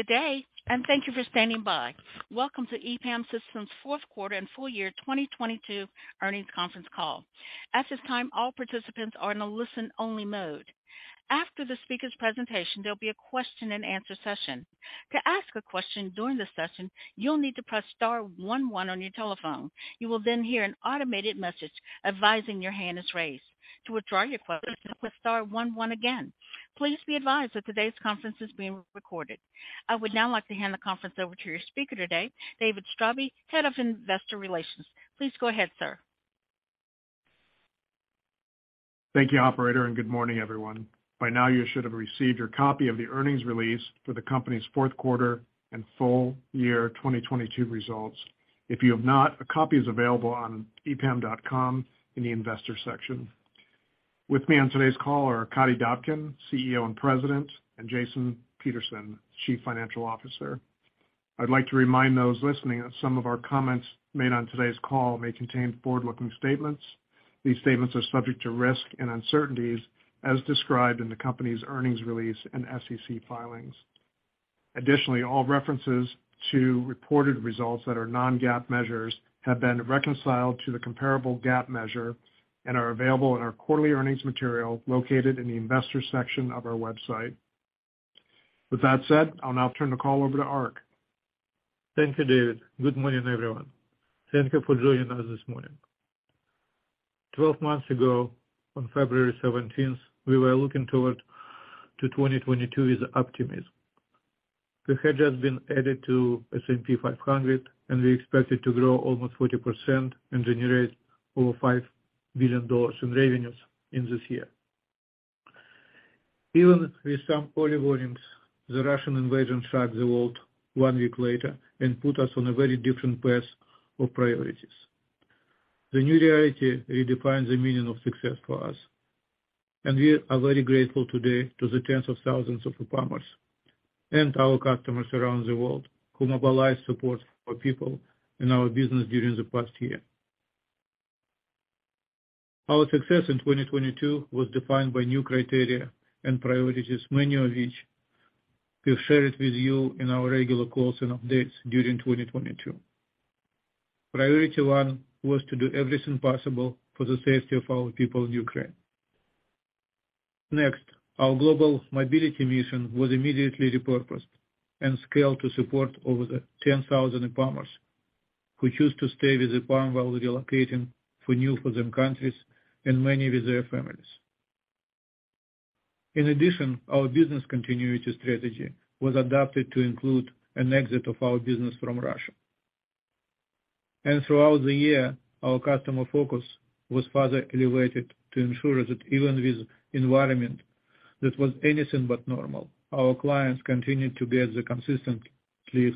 Good day, and thank you for standing by. Welcome to EPAM Systems' fourth quarter and full year 2022 earnings conference call. At this time, all participants are in a listen-only mode. After the speaker's presentation, there'll be a question and answer session. To ask a question during the session, you'll need to press star 11 on your telephone. You will then hear an automated message advising your hand is raised. To withdraw your question, press star 11 again. Please be advised that today's conference is being recorded. I would now like to hand the conference over to your speaker today, David Straube, Head of Investor Relations. Please go ahead, sir. Thank you, operator, good morning, everyone. By now you should have received your copy of the earnings release for the company's fourth quarter and full year 2022 results. If you have not, a copy is available on epam.com in the investor section. With me on today's call are Arkadiy Dobkin, CEO and President, and Jason Peterson, Chief Financial Officer. I'd like to remind those listening that some of our comments made on today's call may contain forward-looking statements. These statements are subject to risk and uncertainties as described in the company's earnings release and SEC filings. Additionally, all references to reported results that are non-GAAP measures have been reconciled to the comparable GAAP measure and are available in our quarterly earnings material located in the investors section of our website. With that said, I'll now turn the call over to Ark. Thank you, David. Good morning, everyone. Thank you for joining us this morning. 12 months ago, on February 17th, we were looking toward 2022 with optimism. We had just been added to S&P 500, we expected to grow almost 40% and generate over $5 billion in revenues in this year. Even with some early warnings, the Russian invasion shocked the world on week later and put us on a very different path of priorities. The new reality redefined the meaning of success for us, we are very grateful today to the tens of thousands of EPAMers and our customers around the world who mobilized support for people in our business during the past year. Our success in 2022 was defined by new criteria and priorities, many of which we've shared with you in our regular calls and updates during 2022. Priority one was to do everything possible for the safety of our people in Ukraine. Our global mobility mission was immediately repurposed and scaled to support over the 10,000 EPAMers who chose to stay with EPAM while relocating for new foreign countries and many with their families. Our business continuity strategy was adapted to include an exit of our business from Russia. Throughout the year, our customer focus was further elevated to ensure that even with environment that was anything but normal, our clients continued to get the consistently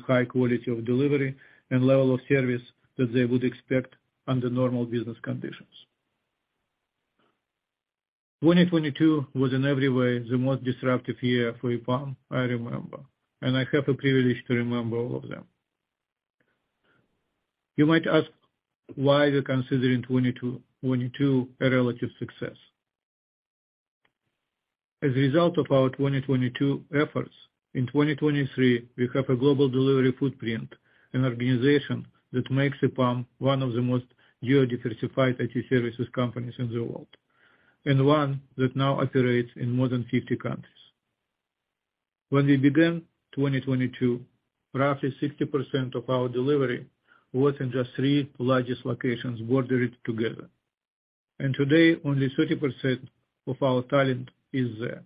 high quality of delivery and level of service that they would expect under normal business conditions. 2022 was in every way the most disruptive year for EPAM I remember, I have a privilege to remember all of them. You might ask why we're considering 2022 a relative success. As a result of our 2022 efforts, in 2023 we have a global delivery footprint and organization that makes EPAM one of the most geo-diversified IT services companies in the world, and one that now operates in more than 50 countries. When we began 2022, roughly 60% of our delivery was in just three largest locations bordered together. Today, only 30% of our talent is there,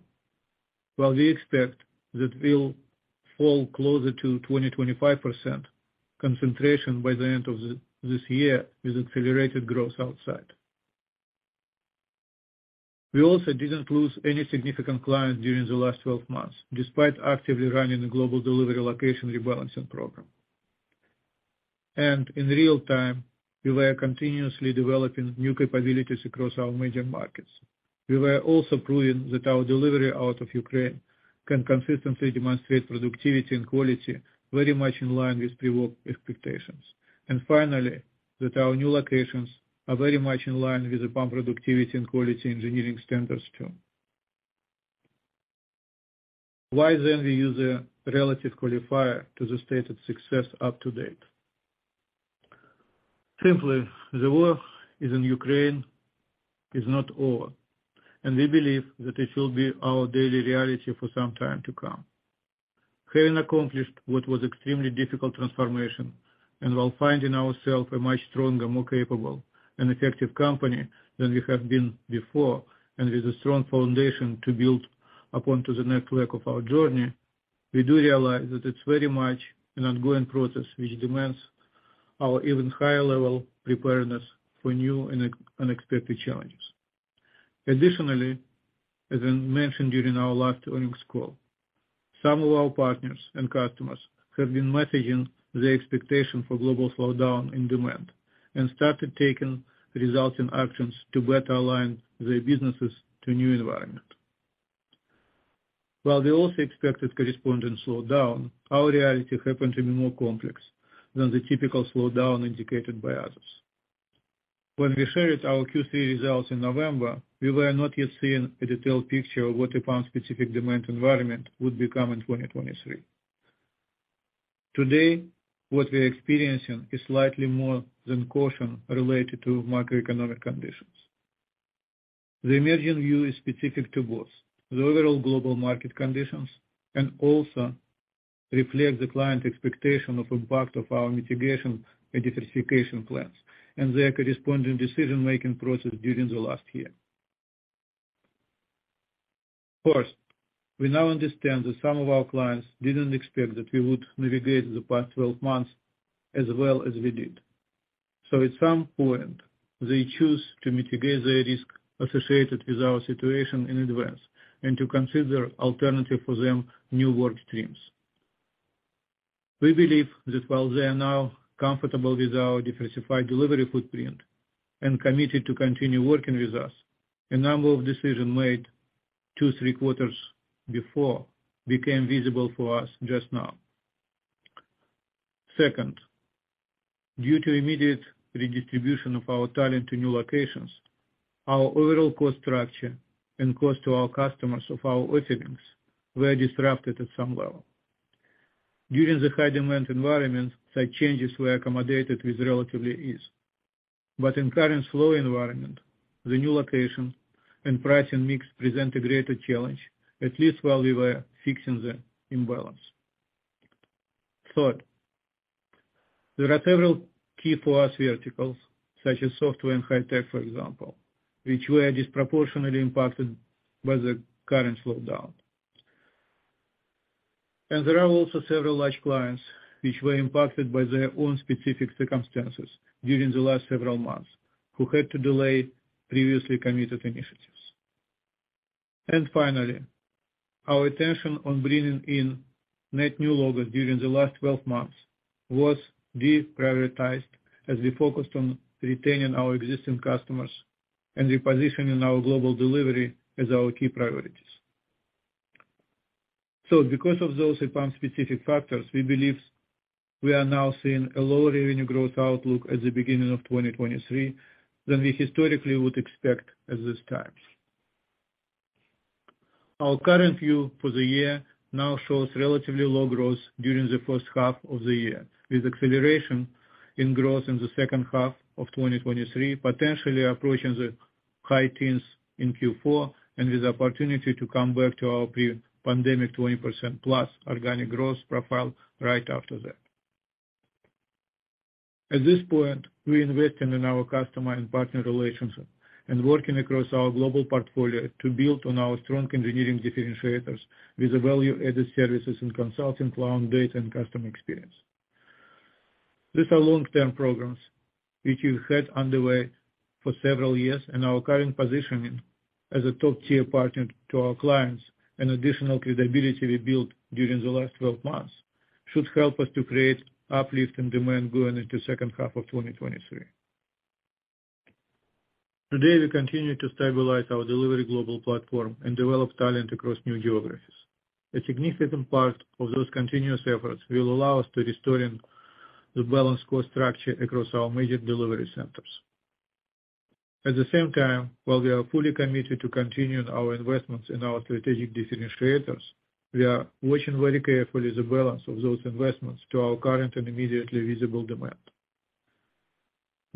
while we expect that we'll fall closer to 20%-25% concentration by the end of this year with accelerated growth outside. We also didn't lose any significant clients during the last 12 months, despite actively running a global delivery location rebalancing program. In real time, we were continuously developing new capabilities across our major markets. We were also proving that our delivery out of Ukraine can consistently demonstrate productivity and quality very much in line with pre-war expectations. Finally, that our new locations are very much in line with EPAM productivity and quality engineering standards too. Why then we use a relative qualifier to the stated success up to date? Simply, the war is in Ukraine is not over, and we believe that it will be our daily reality for some time to come. Having accomplished what was extremely difficult transformation and while finding ourselves a much stronger, more capable, and effective company than we have been before, and with a strong foundation to build upon to the next leg of our journey, we do realize that it's very much an ongoing process which demands our even higher level of preparedness for new and unexpected challenges. Additionally, as I mentioned during our last earnings call, some of our partners and customers have been messaging their expectation for global slowdown in demand and started taking resulting actions to better align their businesses to new environment. While they also expected corresponding slowdown, our reality happened to be more complex than the typical slowdown indicated by others. When we shared our Q3 results in November, we were not yet seeing a detailed picture of what EPAM specific demand environment would become in 2023. Today, what we're experiencing is slightly more than caution related to macroeconomic conditions. The emerging view is specific to both the overall global market conditions and also reflect the client expectation of impact of our mitigation and diversification plans, and their corresponding decision-making process during the last year. First, we now understand that some of our clients didn't expect that we would navigate the past 12 months as well as we did. At some point, they choose to mitigate their risk associated with our situation in advance and to consider alternative for them new work streams. We believe that while they are now comfortable with our diversified delivery footprint and committed to continue working with us, a number of decisions made two, three quarters before became visible for us just now. Second, due to immediate redistribution of our talent to new locations, our overall cost structure and cost to our customers of our offerings were disrupted at some level. During the high demand environment, such changes were accommodated with relatively ease. In current slow environment, the new location and pricing mix present a greater challenge, at least while we were fixing the imbalance. Third, there are several key for us verticals, such as software and high-tech, for example, which were disproportionately impacted by the current slowdown. There are also several large clients which were impacted by their own specific circumstances during the last several months who had to delay previously committed initiatives. Finally, our attention on bringing in net new logos during the last 12 months was deprioritized as we focused on retaining our existing customers and repositioning our global delivery as our key priorities. Because of those EPAM-specific factors, we believe we are now seeing a lower revenue growth outlook at the beginning of 2023 than we historically would expect at this time. Our current view for the year now shows relatively low growth during the first half of the year, with acceleration in growth in the second half of 2023, potentially approaching the high teens in Q4, and with opportunity to come back to our pre-pandemic 20%+ organic growth profile right after that. At this point, we're investing in our customer and partner relationship and working across our global portfolio to build on our strong engineering differentiators with the value-added services and consulting cloud data and customer experience. These are long-term programs which we've had underway for several years. Our current positioning as a top-tier partner to our clients and additional credibility we built during the last 12 months should help us to create uplift in demand going into second half of 2023. Today, we continue to stabilize our delivery global platform and develop talent across new geographies. A significant part of those continuous efforts will allow us to restoring the balanced cost structure across our major delivery centers. At the same time, while we are fully committed to continuing our investments in our strategic differentiators, we are watching very carefully the balance of those investments to our current and immediately visible demand.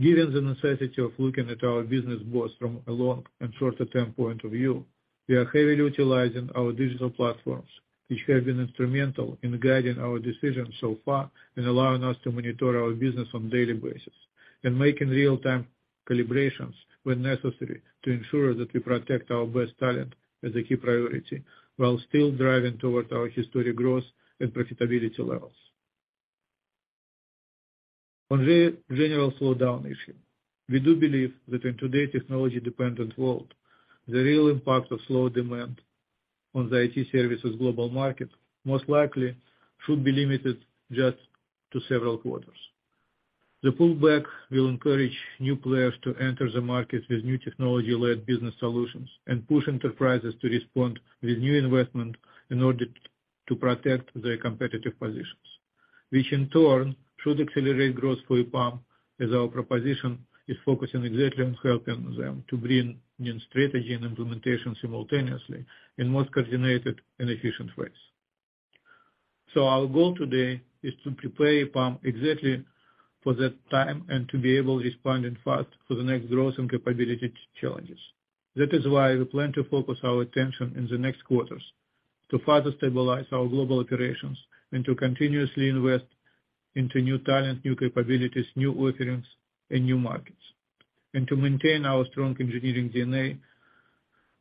Given the necessity of looking at our business both from a long and shorter-term point of view, we are heavily utilizing our digital platforms, which have been instrumental in guiding our decisions so far and allowing us to monitor our business on daily basis and making real-time calibrations when necessary to ensure that we protect our best talent as a key priority while still driving towards our historic growth and profitability levels. On the general slowdown issue, we do believe that in today's technology-dependent world, the real impact of slow demand on the IT services global market most likely should be limited just to several quarters. The pullback will encourage new players to enter the market with new technology-led business solutions and push enterprises to respond with new investment in order to protect their competitive positions, which in turn should accelerate growth for EPAM as our proposition is focused exactly on helping them to bring new strategy and implementation simultaneously in most coordinated and efficient ways. Our goal today is to prepare EPAM exactly for that time and to be able to respond and fast to the next growth and capability challenges. That is why we plan to focus our attention in the next quarters to further stabilize our global operations and to continuously invest into new talent, new capabilities, new offerings, and new markets, and to maintain our strong engineering DNA,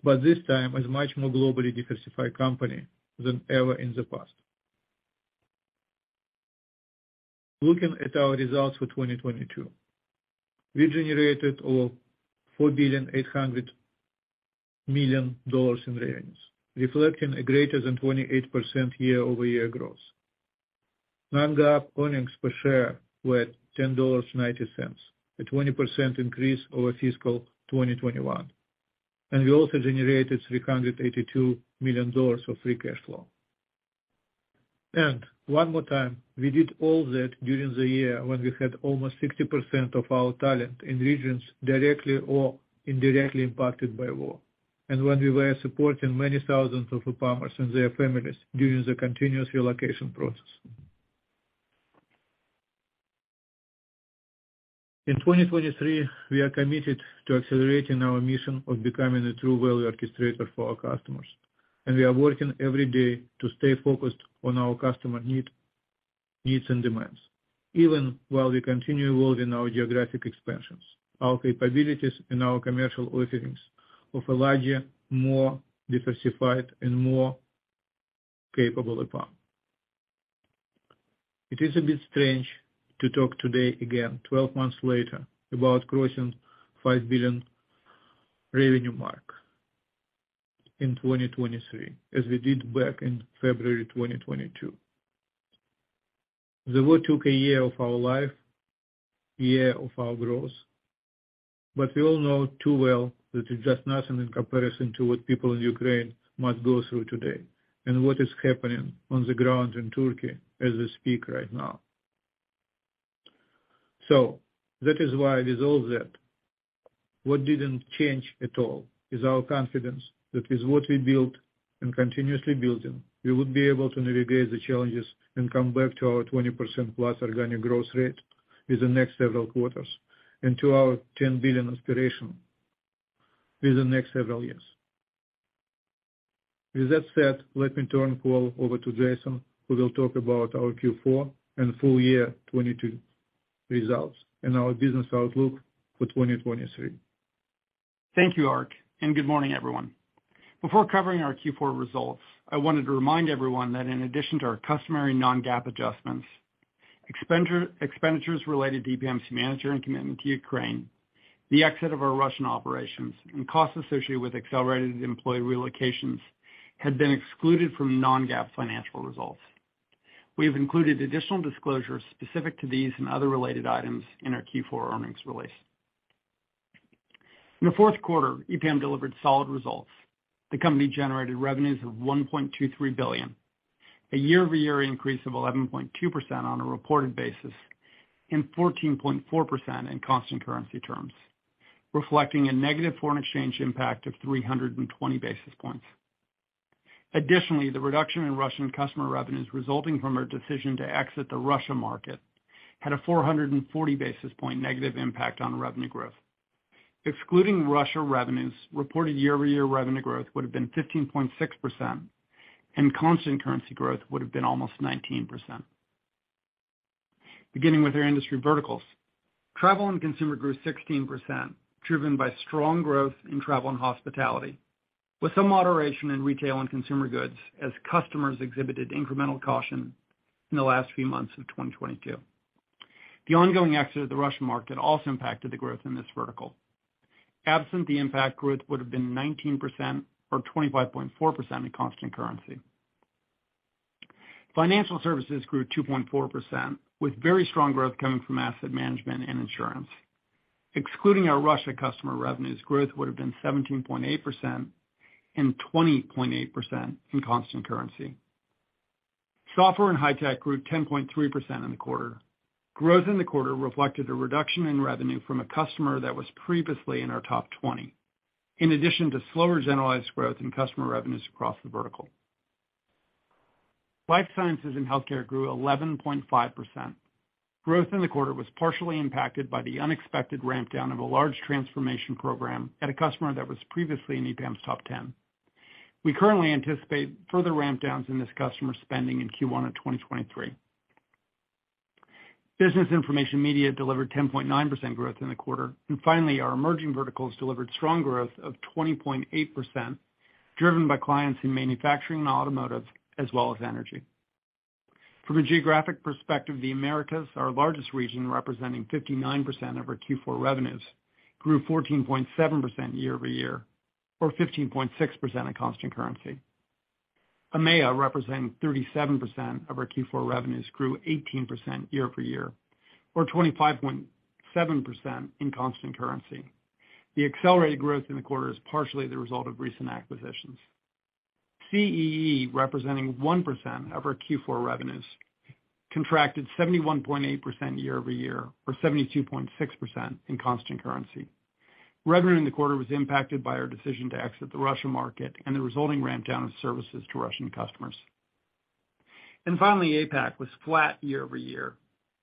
but this time as much more globally diversified company than ever in the past. Looking at our results for 2022, we generated over $4.8 billion in revenues, reflecting a greater than 28% year-over-year growth. Non-GAAP earnings per share were $10.90, a 20% increase over fiscal 2021. We also generated $382 million of free cash flow. One more time, we did all that during the year when we had almost 60% of our talent in regions directly or indirectly impacted by war, and when we were supporting many thousands of EPAMers and their families during the continuous relocation process. In 2023, we are committed to accelerating our mission of becoming a true value orchestrator for our customers, and we are working every day to stay focused on our customer need, needs, and demands, even while we continue evolving our geographic expansions, our capabilities, and our commercial offerings of a larger, more diversified, and more capable EPAM. It is a bit strange to talk today again 12 months later about crossing $5 billion revenue mark in 2023, as we did back in February 2022. The war took a year of our life, year of our growth, we all know too well that it's just nothing in comparison to what people in Ukraine must go through today, and what is happening on the ground in Turkey as we speak right now. That is why with all that, what didn't change at all is our confidence that with what we built and continuously building, we would be able to navigate the challenges and come back to our 20%+ organic growth rate in the next several quarters and to our $10 billion aspiration in the next several years. With that said, let me turn the call over to Jason Peterson, who will talk about our Q4 and full year 2022 results and our business outlook for 2023. Thank you, Ark. Good morning, everyone. Before covering our Q4 results, I wanted to remind everyone that in addition to our customary non-GAAP adjustments, expenditures related to EPAM's management commitment to Ukraine, the exit of our Russian operations, and costs associated with accelerated employee relocations have been excluded from non-GAAP financial results. We have included additional disclosures specific to these and other related items in our Q4 earnings release. In the fourth quarter, EPAM delivered solid results. The company generated revenues of $1.23 billion, a year-over-year increase of 11.2% on a reported basis, and 14.4% in constant currency terms, reflecting a negative foreign exchange impact of 320 basis points. Additionally, the reduction in Russian customer revenues resulting from our decision to exit the Russia market had a 440 basis point negative impact on revenue growth. Excluding Russia revenues, reported year-over-year revenue growth would have been 15.6%. Constant currency growth would have been almost 19%. Beginning with our industry verticals. Travel and consumer grew 16%, driven by strong growth in travel and hospitality, with some moderation in retail and consumer goods as customers exhibited incremental caution in the last few months of 2022. The ongoing exit of the Russian market also impacted the growth in this vertical. Absent the impact, growth would have been 19% or 25.4% in constant currency. Financial services grew 2.4%, with very strong growth coming from asset management and insurance. Excluding our Russia customer revenues, growth would have been 17.8% and 20.8% in constant currency. Software and high tech grew 10.3% in the quarter. Growth in the quarter reflected a reduction in revenue from a customer that was previously in our top 20, in addition to slower generalized growth in customer revenues across the vertical. Life sciences and healthcare grew 11.5%. Growth in the quarter was partially impacted by the unexpected ramp down of a large transformation program at a customer that was previously in EPAM's top 10. We currently anticipate further ramp downs in this customer spending in Q1 of 2023. Business information media delivered 10.9% growth in the quarter. Finally, our emerging verticals delivered strong growth of 20.8%, driven by clients in manufacturing and automotive, as well as energy. From a geographic perspective, the Americas, our largest region representing 59% of our Q4 revenues, grew 14.7% year-over-year or 15.6% in constant currency. EMEA, representing 37% of our Q4 revenues, grew 18% year-over-year or 25.7% in constant currency. The accelerated growth in the quarter is partially the result of recent acquisitions. CEE, representing 1% of our Q4 revenues, contracted 71.8% year-over-year or 72.6% in constant currency. Revenue in the quarter was impacted by our decision to exit the Russia market and the resulting ramp down of services to Russian customers. Finally, APAC was flat year-over-year,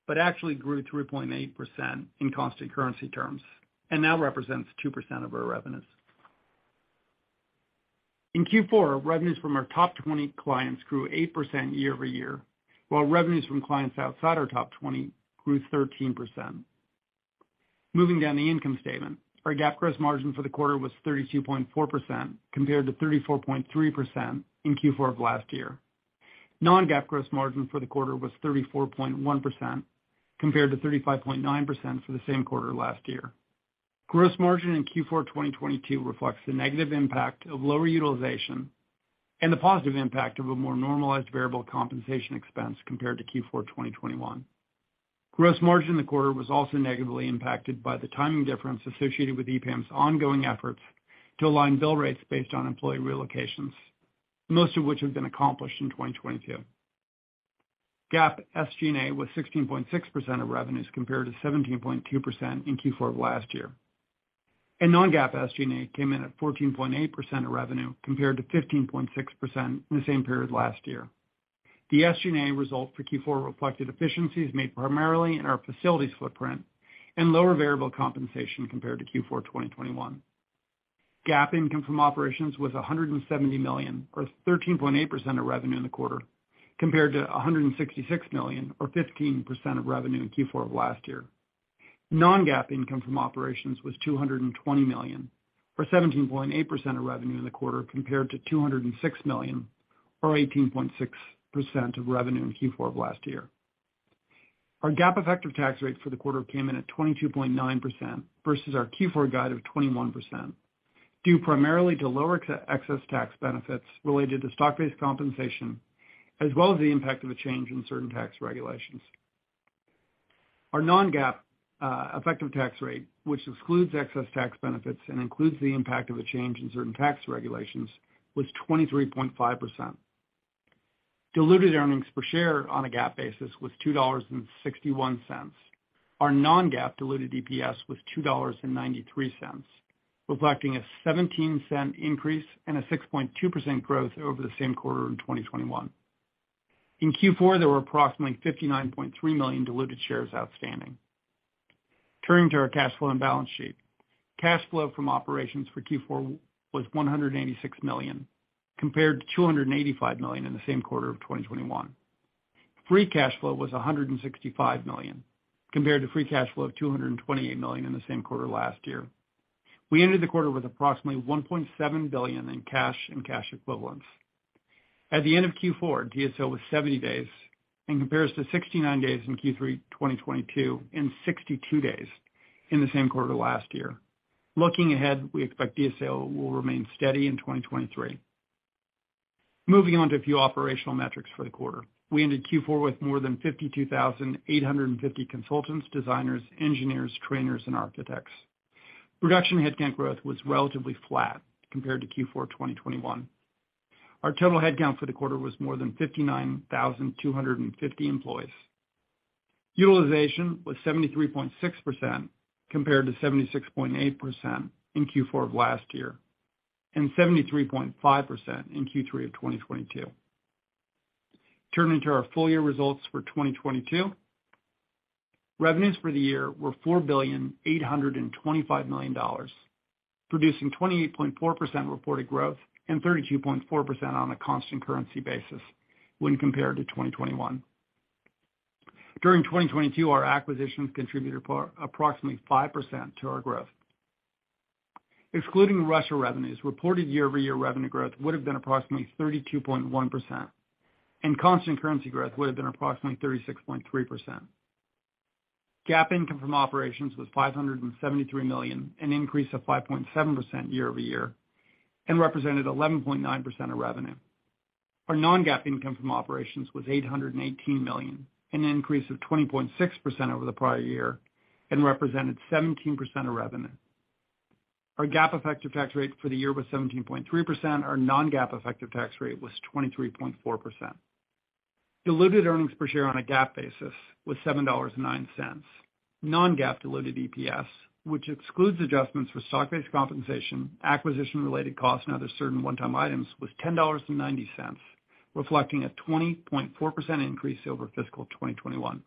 but actually grew 3.8% in constant currency terms and now represents 2% of our revenues. In Q4, revenues from our top 20 clients grew 8% year-over-year, while revenues from clients outside our top 20 grew 13%. Moving down the income statement. Our GAAP gross margin for the quarter was 32.4% compared to 34.3% in Q4 of last year. Non-GAAP gross margin for the quarter was 34.1% compared to 35.9% for the same quarter last year. Gross margin in Q4 2022 reflects the negative impact of lower utilization and the positive impact of a more normalized variable compensation expense compared to Q4 2021. Gross margin in the quarter was also negatively impacted by the timing difference associated with EPAM's ongoing efforts to align bill rates based on employee relocations, most of which have been accomplished in 2022. GAAP SG&A was 16.6% of revenues, compared to 17.2% in Q4 of last year. Non-GAAP SG&A came in at 14.8% of revenue, compared to 15.6% in the same period last year. The SG&A result for Q4 reflected efficiencies made primarily in our facilities footprint and lower variable compensation compared to Q4 2021. GAAP income from operations was $170 million, or 13.8% of revenue in the quarter, compared to $166 million or 15% of revenue in Q4 of last year. Non-GAAP income from operations was $220 million, or 17.8% of revenue in the quarter, compared to $206 million or 18.6% of revenue in Q4 of last year. Our GAAP effective tax rate for the quarter came in at 22.9% versus our Q4 guide of 21%, due primarily to lower ex-excess tax benefits related to stock-based compensation, as well as the impact of a change in certain tax regulations. Our non-GAAP effective tax rate, which excludes excess tax benefits and includes the impact of a change in certain tax regulations, was 23.5%. Diluted earnings per share on a GAAP basis was $2.61. Our non-GAAP diluted EPS was $2.93, reflecting a $0.17 increase and a 6.2% growth over the same quarter in 2021. In Q4, there were approximately 59.3 million diluted shares outstanding. Turning to our cash flow and balance sheet. Cash flow from operations for Q4 was $186 million, compared to $285 million in the same quarter of 2021. Free cash flow was $165 million, compared to free cash flow of $228 million in the same quarter last year. We ended the quarter with approximately $1.7 billion in cash and cash equivalents. At the end of Q4, DSO was 70 days and compares to 69 days in Q3 2022 and 62 days in the same quarter last year. Looking ahead, we expect DSO will remain steady in 2023. Moving on to a few operational metrics for the quarter. We ended Q4 with more than 52,850 consultants, designers, engineers, trainers, and architects. Production headcount growth was relatively flat compared to Q4 2021. Our total headcount for the quarter was more than 59,250 employees. Utilization was 73.6% compared to 76.8% in Q4 of last year, and 73.5% in Q3 of 2022. Turning to our full year results for 2022. Revenues for the year were $4.825 billion, producing 28.4% reported growth and 32.4% on a constant currency basis when compared to 2021. During 2022, our acquisitions contributed approximately 5% to our growth. Excluding Russia revenues, reported year-over-year revenue growth would have been approximately 32.1%, and constant currency growth would have been approximately 36.3%. GAAP income from operations was $573 million, an increase of 5.7% year-over-year, and represented 11.9% of revenue. Our non-GAAP income from operations was $818 million, an increase of 20.6% over the prior year and represented 17% of revenue. Our GAAP effective tax rate for the year was 17.3%. Our non-GAAP effective tax rate was 23.4%. Diluted earnings per share on a GAAP basis was $7.09. Non-GAAP diluted EPS, which excludes adjustments for stock-based compensation, acquisition-related costs, and other certain one-time items, was $10.90, reflecting a 20.4% increase over fiscal 2021.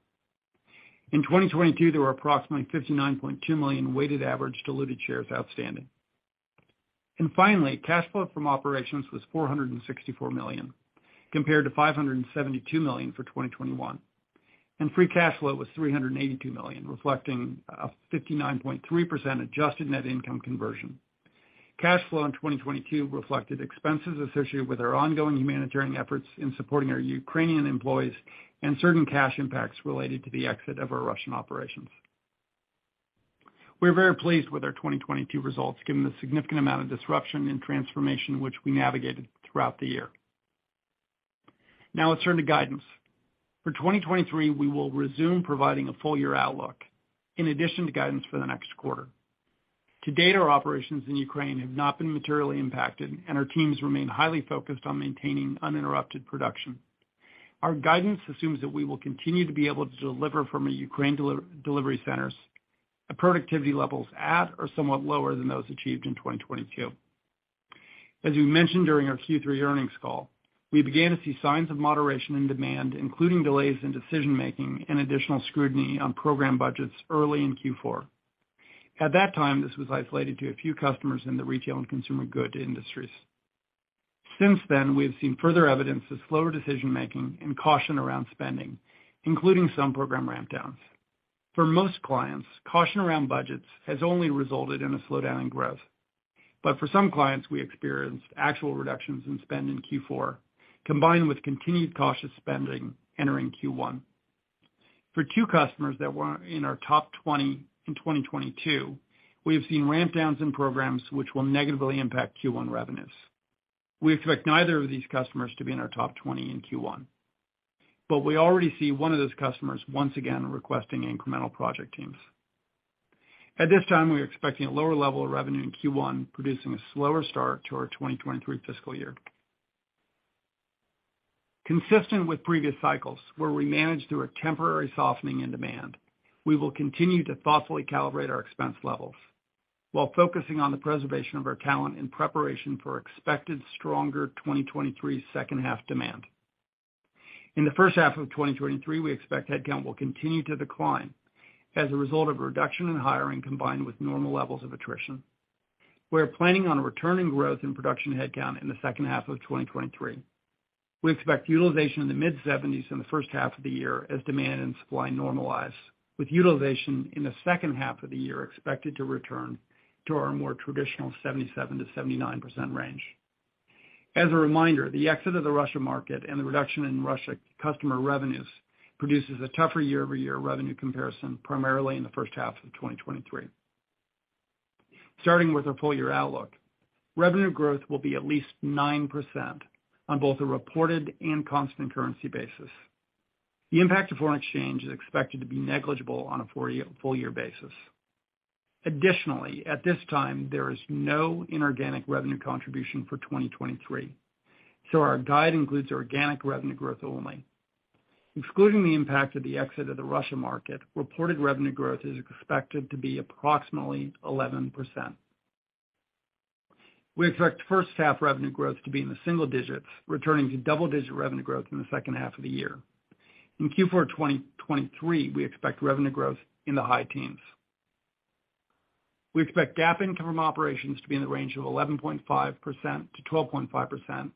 In 2022, there were approximately 59.2 million weighted average diluted shares outstanding. Finally, cash flow from operations was $464 million, compared to $572 million for 2021. Free cash flow was $382 million, reflecting a 59.3% adjusted net income conversion. Cash flow in 2022 reflected expenses associated with our ongoing humanitarian efforts in supporting our Ukrainian employees and certain cash impacts related to the exit of our Russian operations. We're very pleased with our 2022 results, given the significant amount of disruption and transformation which we navigated throughout the year. Let's turn to guidance. For 2023, we will resume providing a full year outlook in addition to guidance for the next quarter. To date, our operations in Ukraine have not been materially impacted and our teams remain highly focused on maintaining uninterrupted production. Our guidance assumes that we will continue to be able to deliver from our Ukraine delivery centers at productivity levels at or somewhat lower than those achieved in 2022. As we mentioned during our Q3 earnings call, we began to see signs of moderation in demand, including delays in decision-making and additional scrutiny on program budgets early in Q4. At that time, this was isolated to a few customers in the retail and consumer goods industries. Since then, we have seen further evidence of slower decision-making and caution around spending, including some program ramp downs. For most clients, caution around budgets has only resulted in a slowdown in growth. For some clients, we experienced actual reductions in spend in Q4, combined with continued cautious spending entering Q1. For two customers that were in our top 20 in 2022, we have seen ramp downs in programs which will negatively impact Q1 revenues. We expect neither of these customers to be in our top 20 in Q1. We already see one of those customers once again requesting incremental project teams. At this time, we're expecting a lower level of revenue in Q1, producing a slower start to our 2023 fiscal year. Consistent with previous cycles, where we managed through a temporary softening in demand, we will continue to thoughtfully calibrate our expense levels while focusing on the preservation of our talent in preparation for expected stronger 2023 second half demand. In the first half of 2023, we expect headcount will continue to decline as a result of a reduction in hiring combined with normal levels of attrition. We're planning on returning growth in production headcount in the second half of 2023. We expect utilization in the mid-70s in the first half of the year as demand and supply normalize, with utilization in the second half of the year expected to return to our more traditional 77%-79% range. As a reminder, the exit of the Russia market and the reduction in Russia customer revenues produces a tougher year-over-year revenue comparison, primarily in the first half of 2023. Starting with our full year outlook, revenue growth will be at least 9% on both a reported and constant currency basis. The impact of foreign exchange is expected to be negligible on a full year basis. Additionally, at this time, there is no inorganic revenue contribution for 2023, so our guide includes organic revenue growth only. Excluding the impact of the exit of the Russia market, reported revenue growth is expected to be approximately 11%. We expect first half revenue growth to be in the single digits, returning to double-digit revenue growth in the second half of the year. In Q4 of 2023, we expect revenue growth in the high teens. We expect GAAP income from operations to be in the range of 11.5%-12.5%,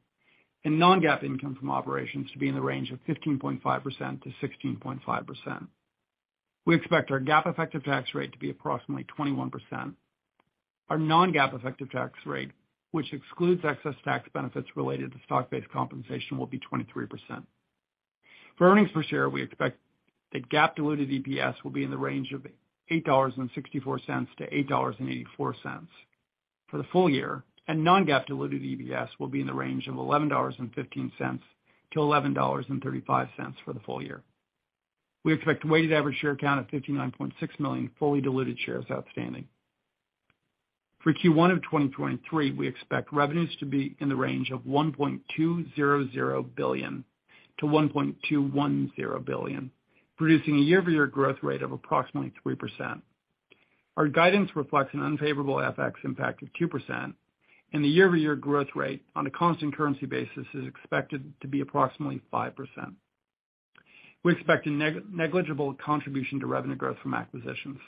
and non-GAAP income from operations to be in the range of 15.5%-16.5%. We expect our GAAP effective tax rate to be approximately 21%. Our non-GAAP effective tax rate, which excludes excess tax benefits related to stock-based compensation, will be 23%. For earnings per share, we expect that GAAP diluted EPS will be in the range of $8.64-$8.84 for the full year, and non-GAAP diluted EPS will be in the range of $11.15-$11.35 for the full year. We expect a weighted average share count of 59.6 million fully diluted shares outstanding. For Q1 of 2023, we expect revenues to be in the range of $1.200 billion-$1.210 billion, producing a year-over-year growth rate of approximately 3%. Our guidance reflects an unfavorable FX impact of 2%, and the year-over-year growth rate on a constant currency basis is expected to be approximately 5%. We expect a negligible contribution to revenue growth from acquisitions.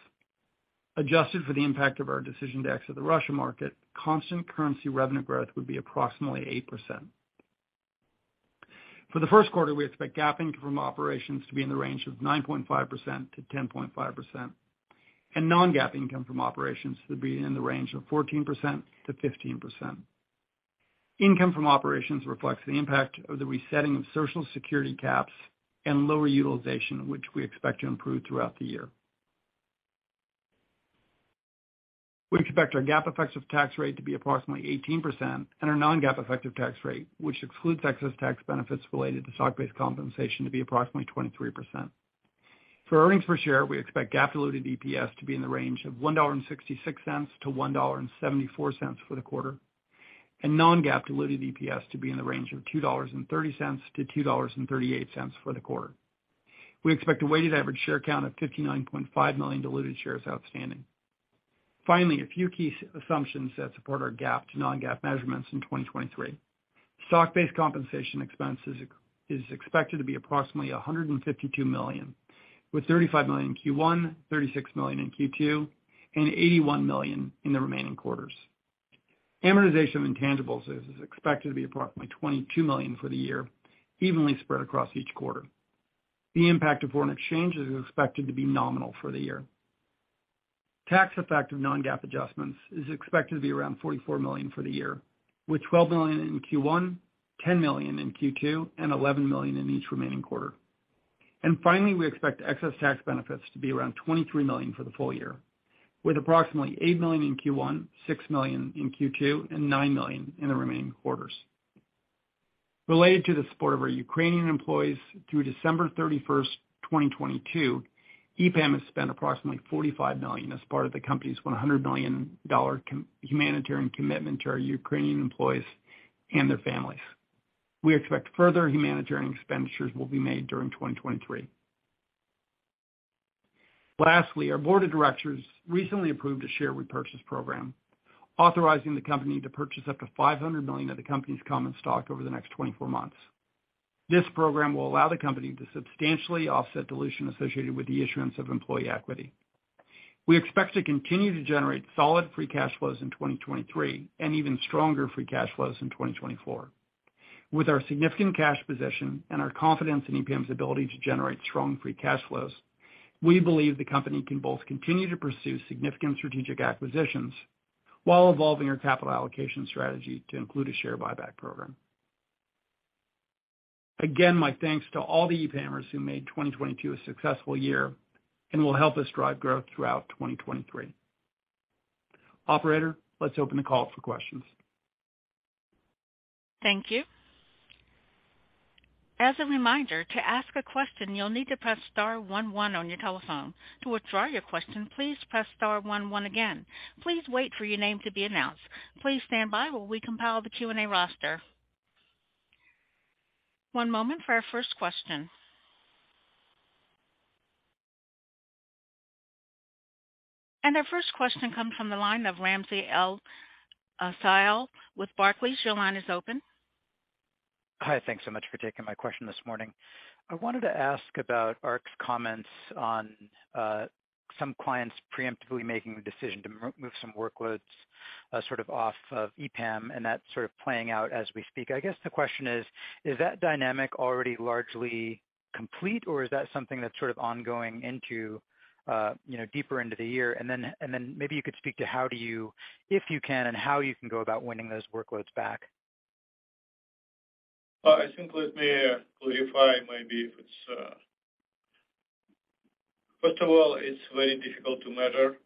Adjusted for the impact of our decision to exit the Russia market, constant currency revenue growth would be approximately 8%. For the first quarter, we expect GAAP income from operations to be in the range of 9.5%-10.5%, and non-GAAP income from operations to be in the range of 14%-15%. Income from operations reflects the impact of the resetting of Social Security caps and lower utilization, which we expect to improve throughout the year. We expect our GAAP effective tax rate to be approximately 18% and our non-GAAP effective tax rate, which excludes excess tax benefits related to stock-based compensation, to be approximately 23%. For earnings per share, we expect GAAP diluted EPS to be in the range of $1.66-$1.74 for the quarter, and non-GAAP diluted EPS to be in the range of $2.30-$2.38 for the quarter. We expect a weighted average share count of 59.5 million diluted shares outstanding. Finally, a few key assumptions that support our GAAP to non-GAAP measurements in 2023. Stock-based compensation expense is expected to be approximately $152 million, with $35 million in Q1, $36 million in Q2, and $81 million in the remaining quarters. Amortization of intangibles is expected to be approximately $22 million for the year, evenly spread across each quarter. The impact of foreign exchanges is expected to be nominal for the year. Tax effect of non-GAAP adjustments is expected to be around $44 million for the year, with $12 million in Q1, $10 million in Q2, and $11 million in each remaining quarter. Finally, we expect excess tax benefits to be around $23 million for the full year, with approximately $8 million in Q1, $6 million in Q2, and $9 million in the remaining quarters. Related to the support of our Ukrainian employees through December 31st, 2022, EPAM has spent approximately $45 million as part of the company's $100 million humanitarian commitment to our Ukrainian employees and their families. We expect further humanitarian expenditures will be made during 2023. Lastly, our board of directors recently approved a share repurchase program authorizing the company to purchase up to $500 million of the company's common stock over the next 24 months. This program will allow the company to substantially offset dilution associated with the issuance of employee equity. We expect to continue to generate solid free cash flows in 2023 and even stronger free cash flows in 2024. With our significant cash position and our confidence in EPAM's ability to generate strong free cash flows, we believe the company can both continue to pursue significant strategic acquisitions while evolving our capital allocation strategy to include a share buyback program. Again, my thanks to all the EPAMers who made 2022 a successful year and will help us drive growth throughout 2023. Operator, let's open the call for questions. Thank you. As a reminder, to ask a question, you'll need to press star one one on your telephone. To withdraw your question, please press star one one again. Please wait for your name to be announced. Please stand by while we compile the Q&A roster. one moment for our first question. Our first question comes from the line of Ramsey El-Assal with Barclays. Your line is open. Hi. Thanks so much for taking my question this morning. I wanted to ask about Ark's comments on some clients preemptively making the decision to move some workloads, sort of off of EPAM and that sort of playing out as we speak. I guess the question is that dynamic already largely complete, or is that something that's sort of ongoing into, you know, deeper into the year? Maybe you could speak to how do you, if you can, and how you can go about winning those workloads back. I think let me clarify maybe if it's. First of all, it's very difficult to measure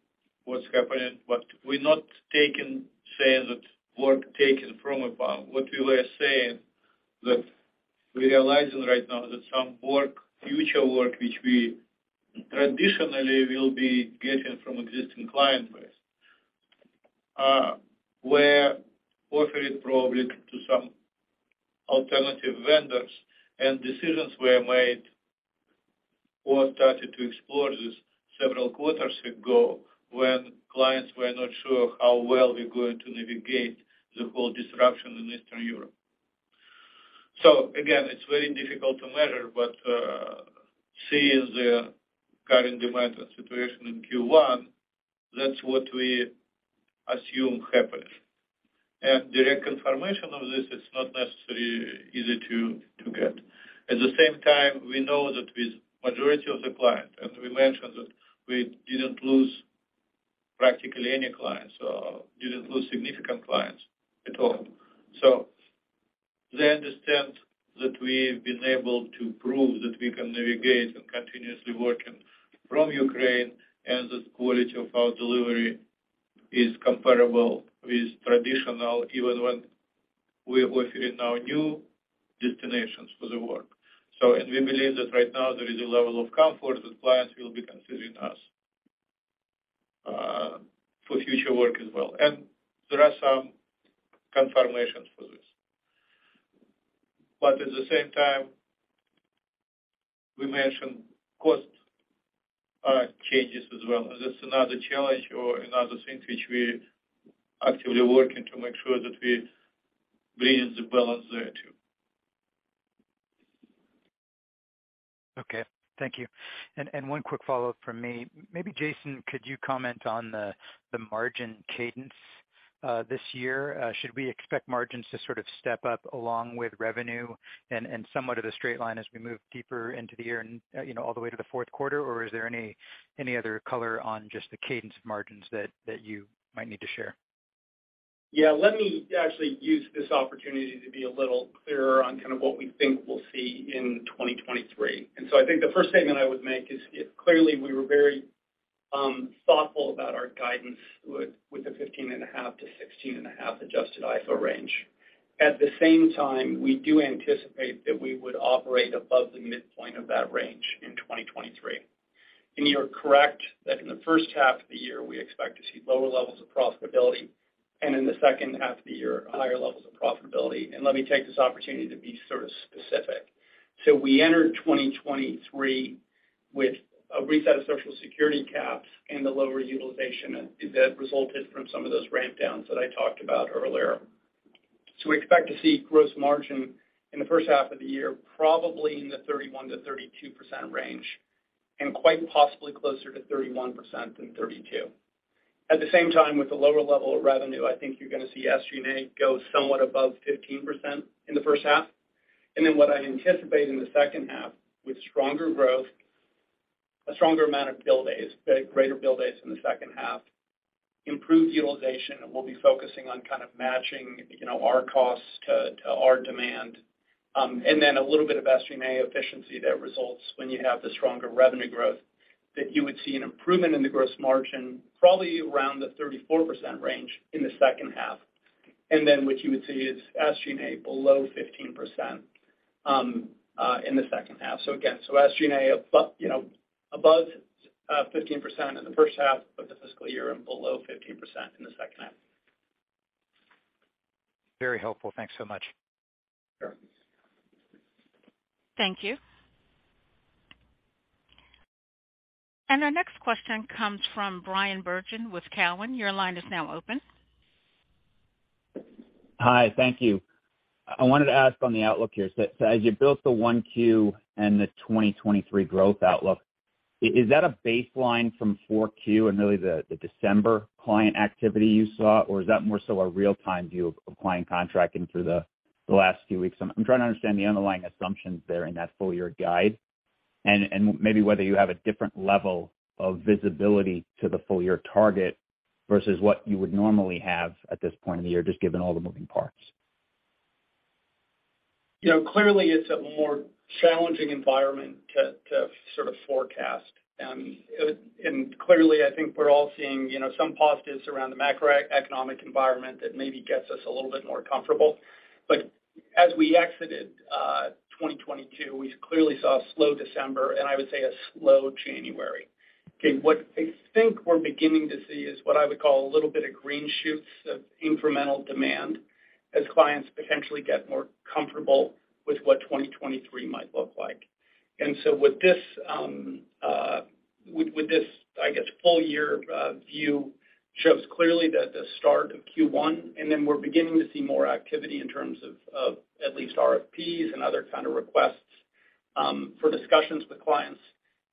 what's happening, but we're not saying that work taken from EPAM. What we were saying that we're realizing right now that some work, future work, which we traditionally will be getting from existing client base, were offered probably to some alternative vendors, and decisions were made or started to explore this several quarters ago when clients were not sure how well we're going to navigate the whole disruption in Eastern Europe. Again, it's very difficult to measure, but seeing the current demand and situation in Q1, that's what we assume happened. Direct confirmation of this is not necessarily easy to get. At the same time, we know that with majority of the client, and we mentioned that we didn't lose practically any clients, didn't lose significant clients at all. They understand that we've been able to prove that we can navigate and continuously working from Ukraine, and the quality of our delivery is comparable with traditional, even when we're offering our new destinations for the work. We believe that right now there is a level of comfort that clients will be considering us for future work as well. There are some confirmations for this. At the same time, we mentioned cost changes as well. That's another challenge or another thing which we're actively working to make sure that we're bringing the balance there too. Okay. Thank you. One quick follow-up from me. Maybe Jason, could you comment on the margin cadence this year? Should we expect margins to sort of step up along with revenue and somewhat of the straight line as we move deeper into the year and, you know, all the way to the fourth quarter, or is there any other color on just the cadence of margins that you might need to share? Yeah. Let me actually use this opportunity to be a little clearer on kind of what we think we'll see in 2023. I think the first statement I would make is clearly we were very thoughtful about our guidance with the 15.5-16.5 adjusted IFO range. At the same time, we do anticipate that we would operate above the midpoint of that range in 2023. You're correct that in the first half of the year, we expect to see lower levels of profitability, and in the second half of the year, higher levels of profitability. Let me take this opportunity to be sort of specific. We entered 2023 with a reset of Social Security caps and the lower utilization that resulted from some of those ramp downs that I talked about earlier. We expect to see gross margin in the first half of the year, probably in the 31%-32% range, and quite possibly closer to 31% than 32%. At the same time, with the lower level of revenue, I think you're gonna see SG&A go somewhat above 15% in the first half. What I anticipate in the second half with stronger growth, a stronger amount of bill days, greater bill days in the second half, improved utilization, and we'll be focusing on kind of matching, you know, our costs to our demand. A little bit of SG&A efficiency that results when you have the stronger revenue growth that you would see an improvement in the gross margin, probably around the 34% range in the second half. What you would see is SG&A below 15% in the second half. SG&A you know, above 15% in the first half of the fiscal year and below 15% in the second half. Very helpful. Thanks so much. Sure. Thank you. Our next question comes from Bryan Bergin with Cowen. Your line is now open. Hi. Thank you. I wanted to ask on the outlook here. As you built the 1Q and the 2023 growth outlook, is that a baseline from 4Q and really the December client activity you saw, or is that more so a real-time view of client contracting through the last few weeks? I'm trying to understand the underlying assumptions there in that full year guide. Maybe whether you have a different level of visibility to the full year target versus what you would normally have at this point in the year, just given all the moving parts. You know, clearly, it's a more challenging environment to sort of forecast. Clearly, I think we're all seeing, you know, some positives around the macroeconomic environment that maybe gets us a little bit more comfortable. As we exited 2022, we clearly saw a slow December, and I would say a slow January. Okay, what I think we're beginning to see is what I would call a little bit of green shoots of incremental demand as clients potentially get more comfortable with what 2023 might look like. With this, I guess, full year view shows clearly that the start of Q1, and then we're beginning to see more activity in terms of at least RFPs and other kind of requests for discussions with clients.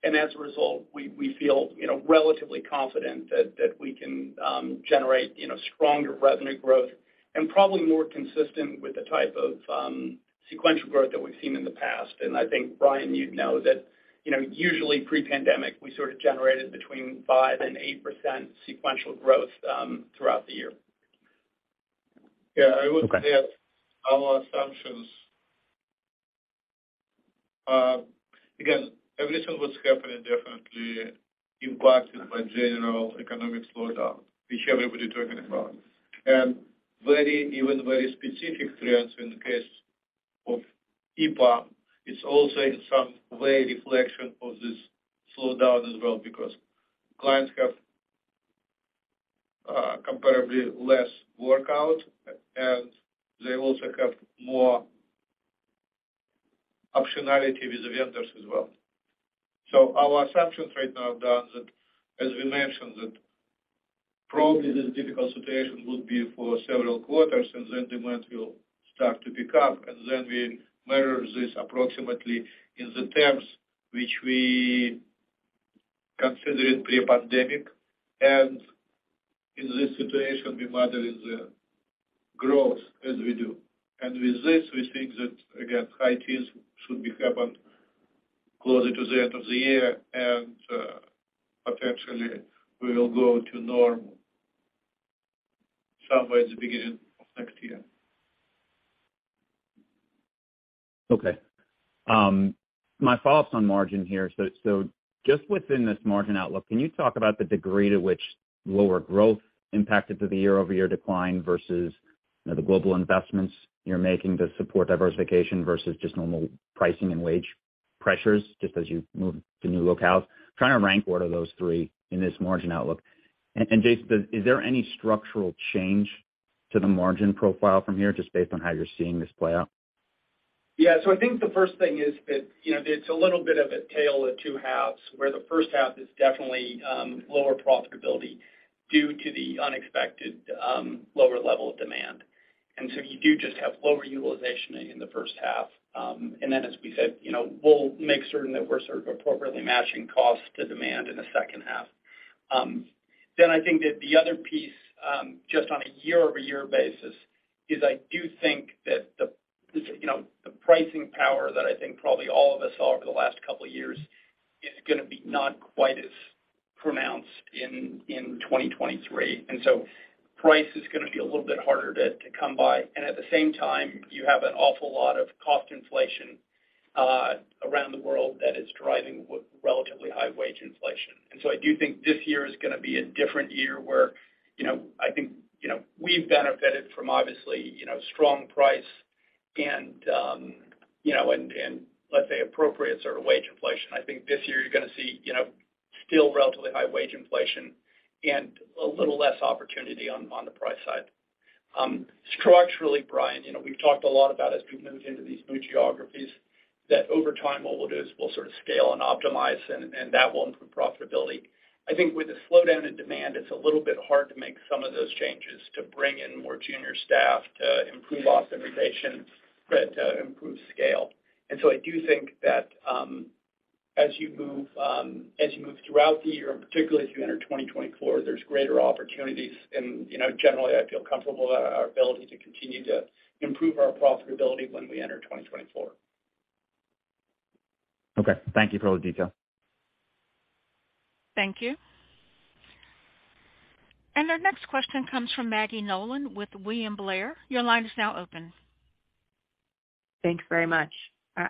As a result, we feel, you know, relatively confident that we can generate, you know, stronger revenue growth and probably more consistent with the type of sequential growth that we've seen in the past. I think, Bryan, you'd know that, you know, usually pre-pandemic, we sort of generated between 5% and 8% sequential growth throughout the year. Yeah. I would say our assumptions... again, everything what's happening definitely impacted by general economic slowdown, which everybody talking about. Very, even very specific trends in the case of EPAM is also in some way reflection of this slowdown as well, because clients have comparably less workout, and they also have more optionality with the vendors as well. Our assumptions right now are that, as we mentioned, that probably this difficult situation would be for several quarters, and then demand will start to pick up, and then we measure this approximately in the terms which we consider it pre-pandemic. In this situation, we model the growth as we do. With this, we think that, again, high teens should be happened closer to the end of the year, and potentially we will go to normal somewhere at the beginning of next year. My follow-up's on margin here. Just within this margin outlook, can you talk about the degree to which lower growth impacted the year-over-year decline versus, you know, the global investments you're making to support diversification versus just normal pricing and wage pressures, just as you move to new locales? Trying to rank order those three in this margin outlook. Jason, is there any structural change to the margin profile from here, just based on how you're seeing this play out? I think the first thing is that, you know, it's a little bit of a tale of two halves, where the first half is definitely lower profitability due to the unexpected lower level of demand. You do just have lower utilization in the first half. As we said, you know, we'll make certain that we're sort of appropriately matching cost to demand in the second half. I think that the other piece, just on a year-over-year basis is I do think that the, you know, the pricing power that I think probably all of us saw over the last couple of years is gonna be not quite as pronounced in 2023. Price is gonna be a little bit harder to come by. At the same time, you have an awful lot of cost inflation around the world that is driving relatively high wage inflation. I do think this year is gonna be a different year where, you know, I think, you know, we've benefited from obviously, you know, strong price and, you know, and let's say, appropriate sort of wage inflation. I think this year you're gonna see, you know, still relatively high wage inflation and a little less opportunity on the price side. Structurally, Bryan, you know, we've talked a lot about as we've moved into these new geographies, that over time what we'll do is we'll sort of scale and optimize, and that will improve profitability. I think with the slowdown in demand, it's a little bit hard to make some of those changes to bring in more junior staff to improve optimization, right, to improve scale. I do think that, as you move, as you move throughout the year, and particularly as you enter 2024, there's greater opportunities. You know, generally, I feel comfortable about our ability to continue to improve our profitability when we enter 2024. Okay. Thank you for all the detail. Thank you. Our next question comes from Maggie Nolan with William Blair. Your line is now open. Thanks very much.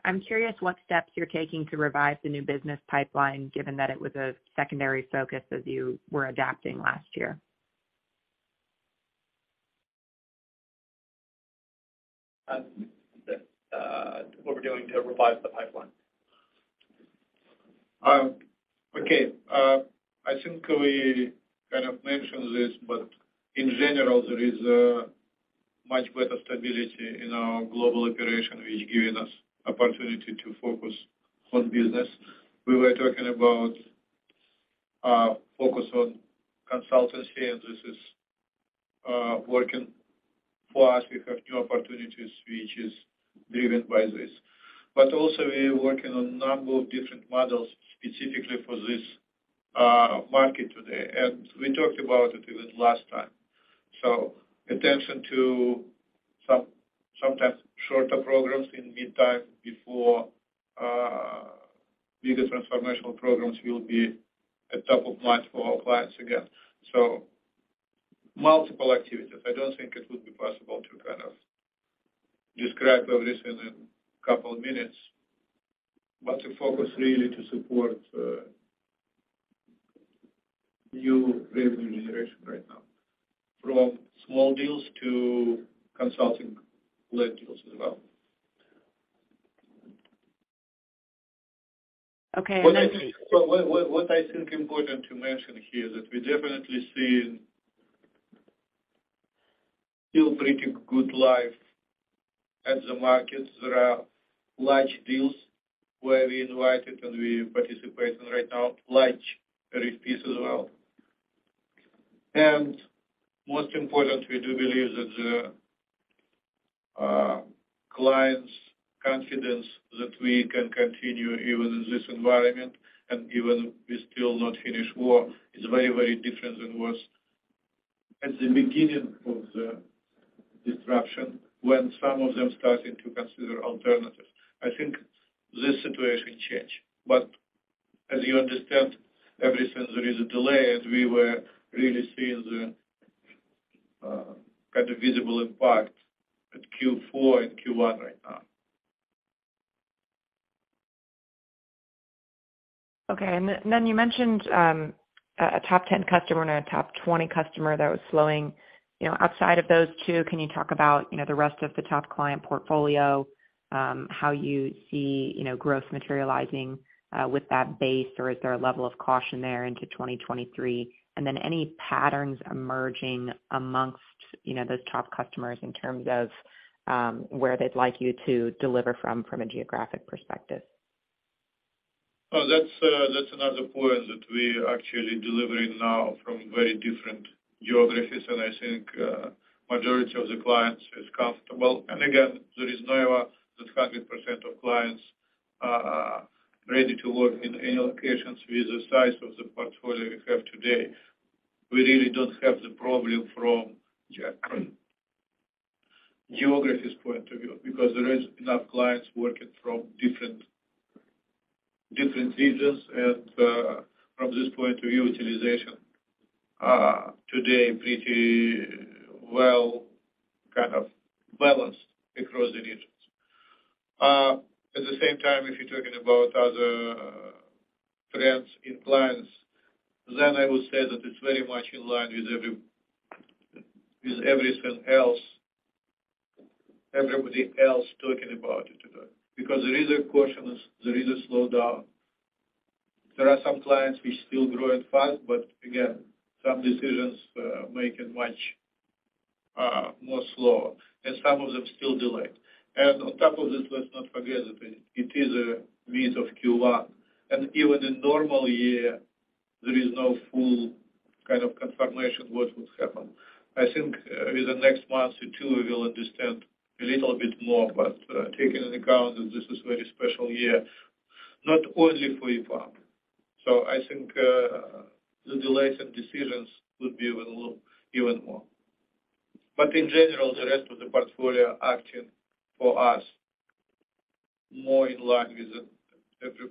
I'm curious what steps you're taking to revive the new business pipeline, given that it was a secondary focus as you were adapting last year. what we're doing to revive the pipeline. Okay. I think we kind of mentioned this, but in general, there is a much better stability in our global operation, which giving us opportunity to focus on business. We were talking about focus on consultancy, and this is working for us. We have new opportunities, which is driven by this. Also we're working on a number of different models specifically for this market today. We talked about it even last time. So attention to some, sometimes shorter programs in meantime before bigger transformational programs will be a top of mind for our clients again. Multiple activities, I don't think it would be possible to kind of describe everything in two minutes. The focus really to support new revenue generation right now, from small deals to consulting led deals as well. Okay. I think important to mention here that we definitely see still pretty good life at the markets. There are large deals where we invited and we participate right now, large RFPs as well. Most important, we do believe that the clients' confidence that we can continue even in this environment and even we still not finish war, is very, very different than was at the beginning of the disruption when some of them started to consider alternatives. I think this situation change, as you understand, everything there is a delay, we were really seeing the kind of visible impact at Q4 and Q1 right now. Okay. Then you mentioned a top 10 customer and a top 20 customer that was slowing. You know, outside of those two, can you talk about, you know, the rest of the top client portfolio, how you see, you know, growth materializing with that base? Is there a level of caution there into 2023? Any patterns emerging amongst, you know, those top customers in terms of where they'd like you to deliver from a geographic perspective? Oh, that's another point that we actually delivering now from very different geographies. I think, majority of the clients is comfortable. Again, there is nowhere that 100% of clients are ready to work in any locations with the size of the portfolio we have today. We really don't have the problem from geographies point of view because there is enough clients working from different regions. From this point of view, utilization today pretty well kind of balanced across the regions. At the same time, if you're talking about other trends in clients, then I would say that it's very much in line with everything else, everybody else talking about it today. There is a cautious, there is a slowdown. There are some clients we still growing fast, some decisions, making much, more slow, and some of them still delayed. On top of this, let's not forget that it is a mid of Q1, and even in normal year, there is no full kind of confirmation what would happen. I think, with the next month or two, we will understand a little bit more. Taking in account that this is very special year, not only for EPAM. I think, the delays and decisions would be even low, even more. In general, the rest of the portfolio acting for us more in line with every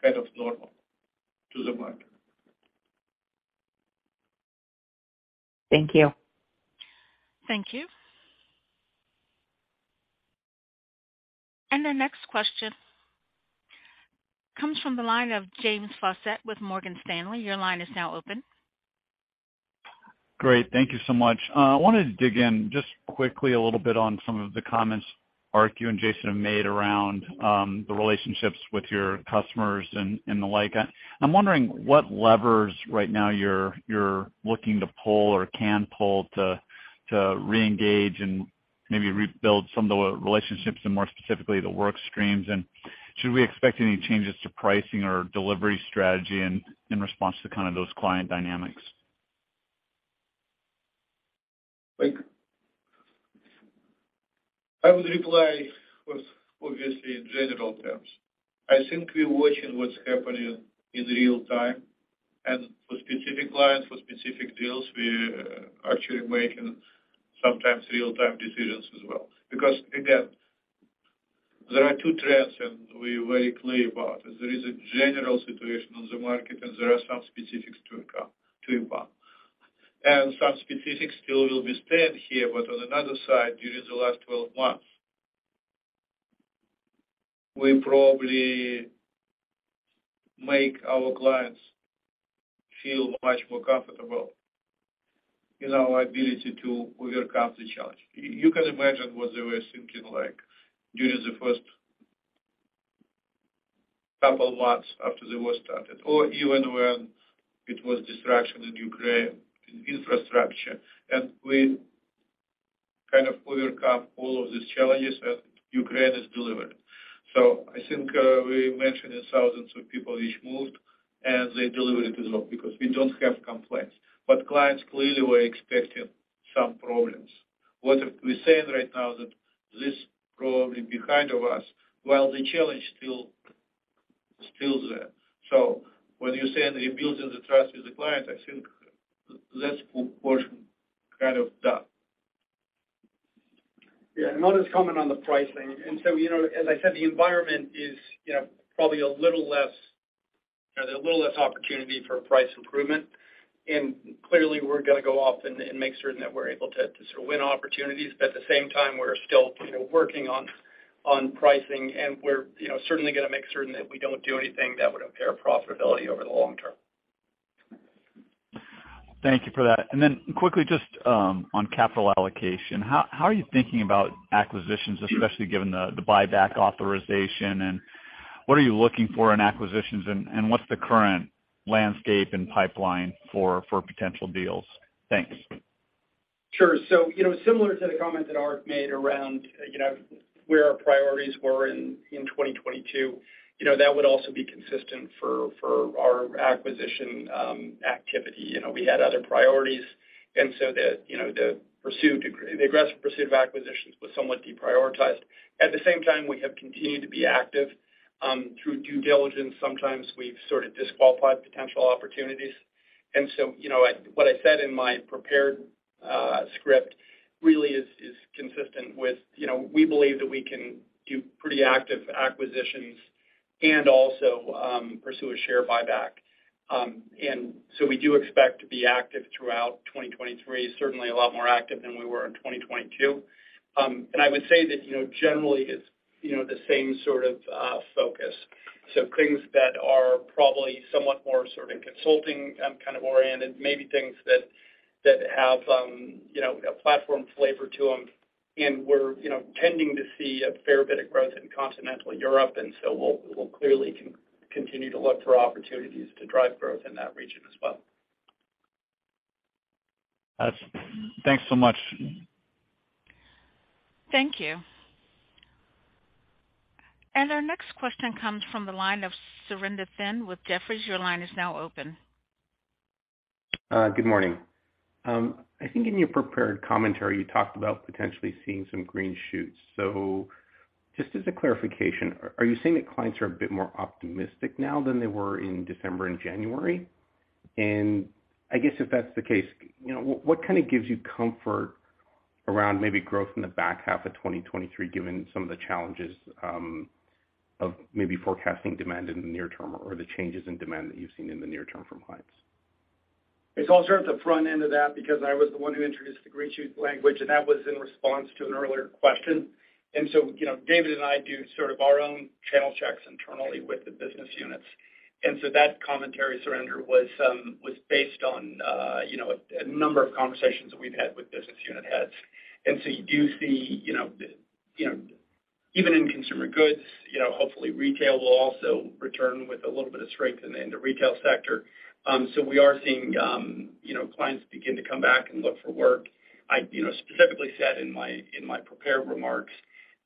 kind of normal to the market. Thank you. Thank you. The next question comes from the line of James Faucette with Morgan Stanley. Your line is now open. Great. Thank you so much. I wanted to dig in just quickly a little bit on some of the comments, Ark, you and Jason have made around the relationships with your customers and the like. I'm wondering what levers right now you're looking to pull or can pull to reengage and maybe rebuild some of the relationships and more specifically, the work streams. Should we expect any changes to pricing or delivery strategy in response to kind of those client dynamics? Like, I would reply with obviously in general terms. I think we're watching what's happening in real time and for specific clients, for specific deals, we're actually making sometimes real-time decisions as well. Again, there are two trends, and we're very clear about it. There is a general situation on the market, and there are some specifics to come, to EPAM. Some specifics still will be staying here. On another side, during the last 12 months, we probably make our clients feel much more comfortable in our ability to overcome the challenge. You can imagine what they were thinking like during the first couple months after the war started or even when it was destruction in Ukraine infrastructure. We kind of overcome all of these challenges, and Ukraine has delivered. I think, we mentioned in thousands of people each moved, and they delivered as well because we don't have complaints. Clients clearly were expecting some problems. What we're saying right now that this probably behind of us, while the challenge still remain there. When you say that you're building the trust with the clients, I think that's portion kind of done. Yeah, I'll just comment on the pricing. You know, as I said, the environment is, you know, probably There's a little less opportunity for price improvement. Clearly, we're gonna go off and make certain that we're able to sort of win opportunities. At the same time, we're still, you know, working on pricing, and we're, you know, certainly gonna make certain that we don't do anything that would impair profitability over the long term. Thank you for that. Quickly, just on capital allocation. How are you thinking about acquisitions, especially given the buyback authorization, and what are you looking for in acquisitions, and what's the current landscape and pipeline for potential deals? Thanks. Sure. you know, similar to the comment that Ark made around, you know, where our priorities were in 2022, you know, that would also be consistent for our acquisition activity. You know, we had other priorities, the, you know, the aggressive pursuit of acquisitions was somewhat deprioritized. At the same time, we have continued to be active through due diligence. Sometimes we've sort of disqualified potential opportunities. you know, what I said in my prepared script really is consistent with, you know, we believe that we can do pretty active acquisitions and also pursue a share buyback. we do expect to be active throughout 2023, certainly a lot more active than we were in 2022. I would say that, you know, generally it's, you know, the same sort of focus. Things that are probably somewhat more sort of consulting, kind of oriented, maybe things that have, you know, a platform flavor to them. We're, you know, tending to see a fair bit of growth in continental Europe, we'll clearly continue to look for opportunities to drive growth in that region as well. Thanks so much. Thank you. Our next question comes from the line of Surinder Thind with Jefferies. Your line is now open. Good morning. I think in your prepared commentary, you talked about potentially seeing some green shoots. Just as a clarification, are you saying that clients are a bit more optimistic now than they were in December and January? I guess if that's the case, you know, what kind of gives you comfort around maybe growth in the back half of 2023, given some of the challenges of maybe forecasting demand in the near term or the changes in demand that you've seen in the near term from clients? I'll start at the front end of that because I was the one who introduced the green shoot language, and that was in response to an earlier question. You know, David and I do sort of our own channel checks internally with the business units. That commentary, Surinder, was based on, you know, a number of conversations that we've had with business unit heads. You do see, you know, even in consumer goods, hopefully retail will also return with a little bit of strength in the retail sector. We are seeing, you know, clients begin to come back and look for work. I, you know, specifically said in my, in my prepared remarks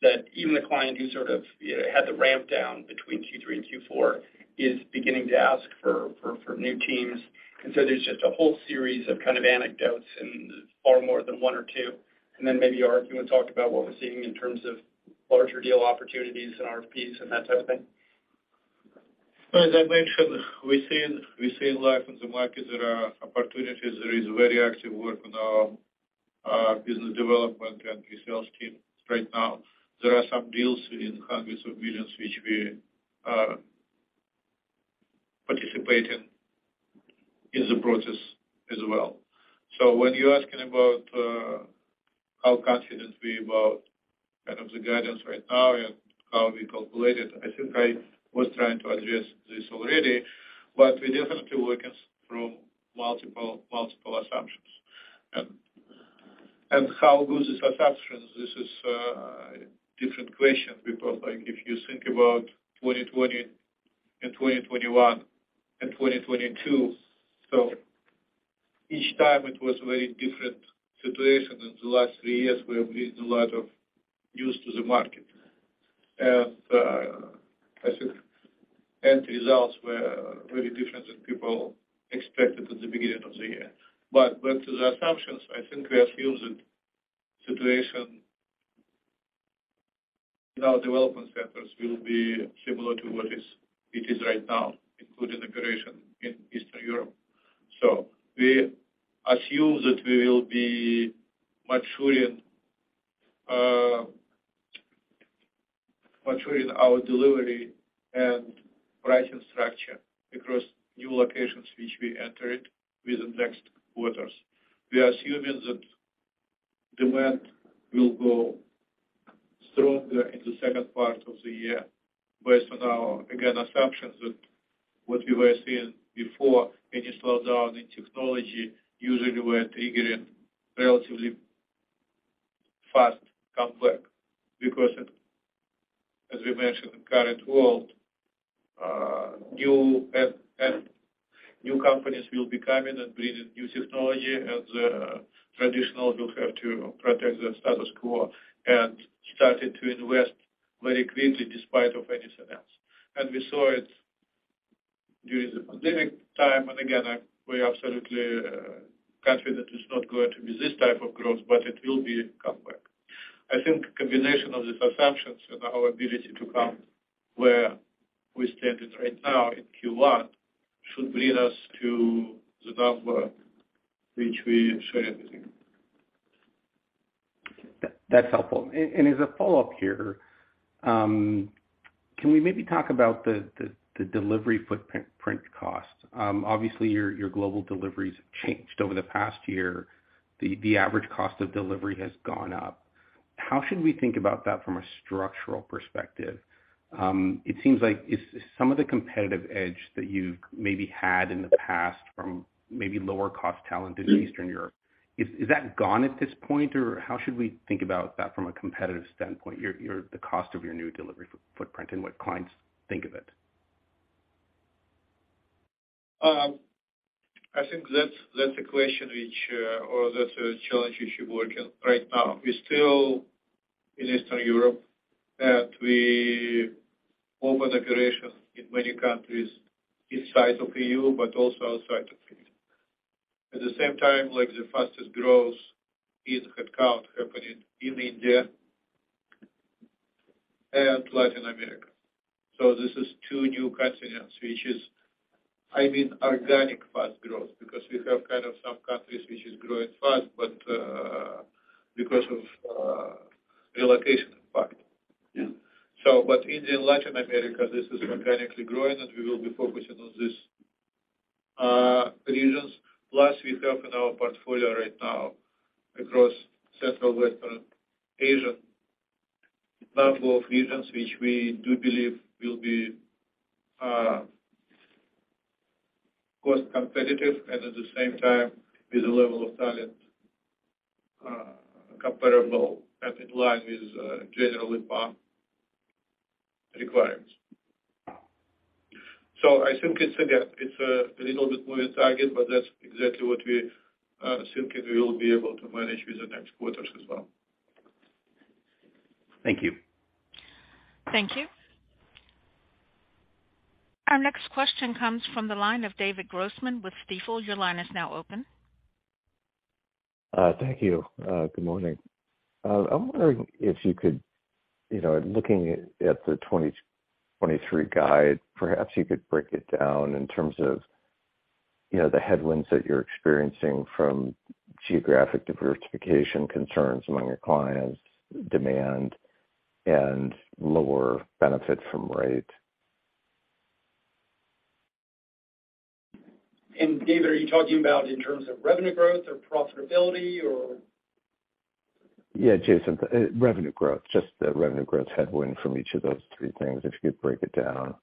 that even the client who sort of, you know, had the ramp down between Q3 and Q4 is beginning to ask for new teams. There's just a whole series of kind of anecdotes and far more than one or two. Then maybe Ark, you want to talk about what we're seeing in terms of larger deal opportunities and RFPs and that type of thing? As I mentioned, we see life in the market. There are opportunities. There is very active work on our business development and the sales team right now. There are some deals in $hundreds of millions which we are participating in the process as well. When you're asking about how confident we about kind of the guidance right now and how we calculate it, I think I was trying to address this already. We're definitely working from multiple assumptions. How good is assumptions? This is different question because, like, if you think about 2020 and 2021 and 2022, each time it was very different situation. In the last three years, we have released a lot of news to the market. I think end results were very different than people expected at the beginning of the year. Back to the assumptions, I think we assume that situation in our development centers will be similar to what it is right now, including operation in Eastern Europe. We assume that we will be maturing our delivery and pricing structure across new locations which we entered with the next quarters. We are assuming that demand will go stronger in the second part of the year based on our, again, assumptions that what we were seeing before any slowdown in technology usually were triggering relatively fast comeback. As we mentioned, in current world, new and new companies will be coming and bringing new technology, and the traditional will have to protect the status quo and started to invest very quickly despite of any events. We saw it during the pandemic time, and again, we are absolutely confident it's not going to be this type of growth, but it will be a comeback. I think combination of these assumptions and our ability to come where we stand it right now in Q1 should lead us to the number which we shared with you. That's helpful. As a follow-up here, can we maybe talk about the delivery footprint costs? Obviously your global deliveries have changed over the past year. The average cost of delivery has gone up. How should we think about that from a structural perspective? It seems like is some of the competitive edge that you've maybe had in the past from maybe lower cost talent in Eastern Europe, is that gone at this point, or how should we think about that from a competitive standpoint, your the cost of your new delivery footprint and what clients think of it? I think that's a question which, or that's a challenge we should work on right now. We still in Eastern Europe. We open operations in many countries inside of EU but also outside of EU. At the same time, like the fastest growth is headcount happening in India and Latin America. This is two new continents, which is, I mean, organic fast growth because we have kind of some countries which is growing fast, but, because of, relocation impact. Yeah. India and Latin America, this is organically growing, and we will be focusing on these regions. Plus we have in our portfolio right now across Central Western Asia, a number of regions which we do believe will be cost competitive and at the same time with a level of talent comparable and in line with general Li & Fung requirements. I think it's, yeah, it's a little bit moving target, but that's exactly what we think and we will be able to manage with the next quarters as well. Thank you. Thank you. Our next question comes from the line of David Grossman with Stifel. Your line is now open. Thank you. Good morning. I'm wondering if you could, you know, looking at the 2023 guide, perhaps you could break it down in terms of, you know, the headwinds that you're experiencing from geographic diversification concerns among your clients, demand, and lower benefit from rate. David, are you talking about in terms of revenue growth or profitability or? Yeah, Jason, revenue growth, just the revenue growth headwind from each of those three things, if you could break it down.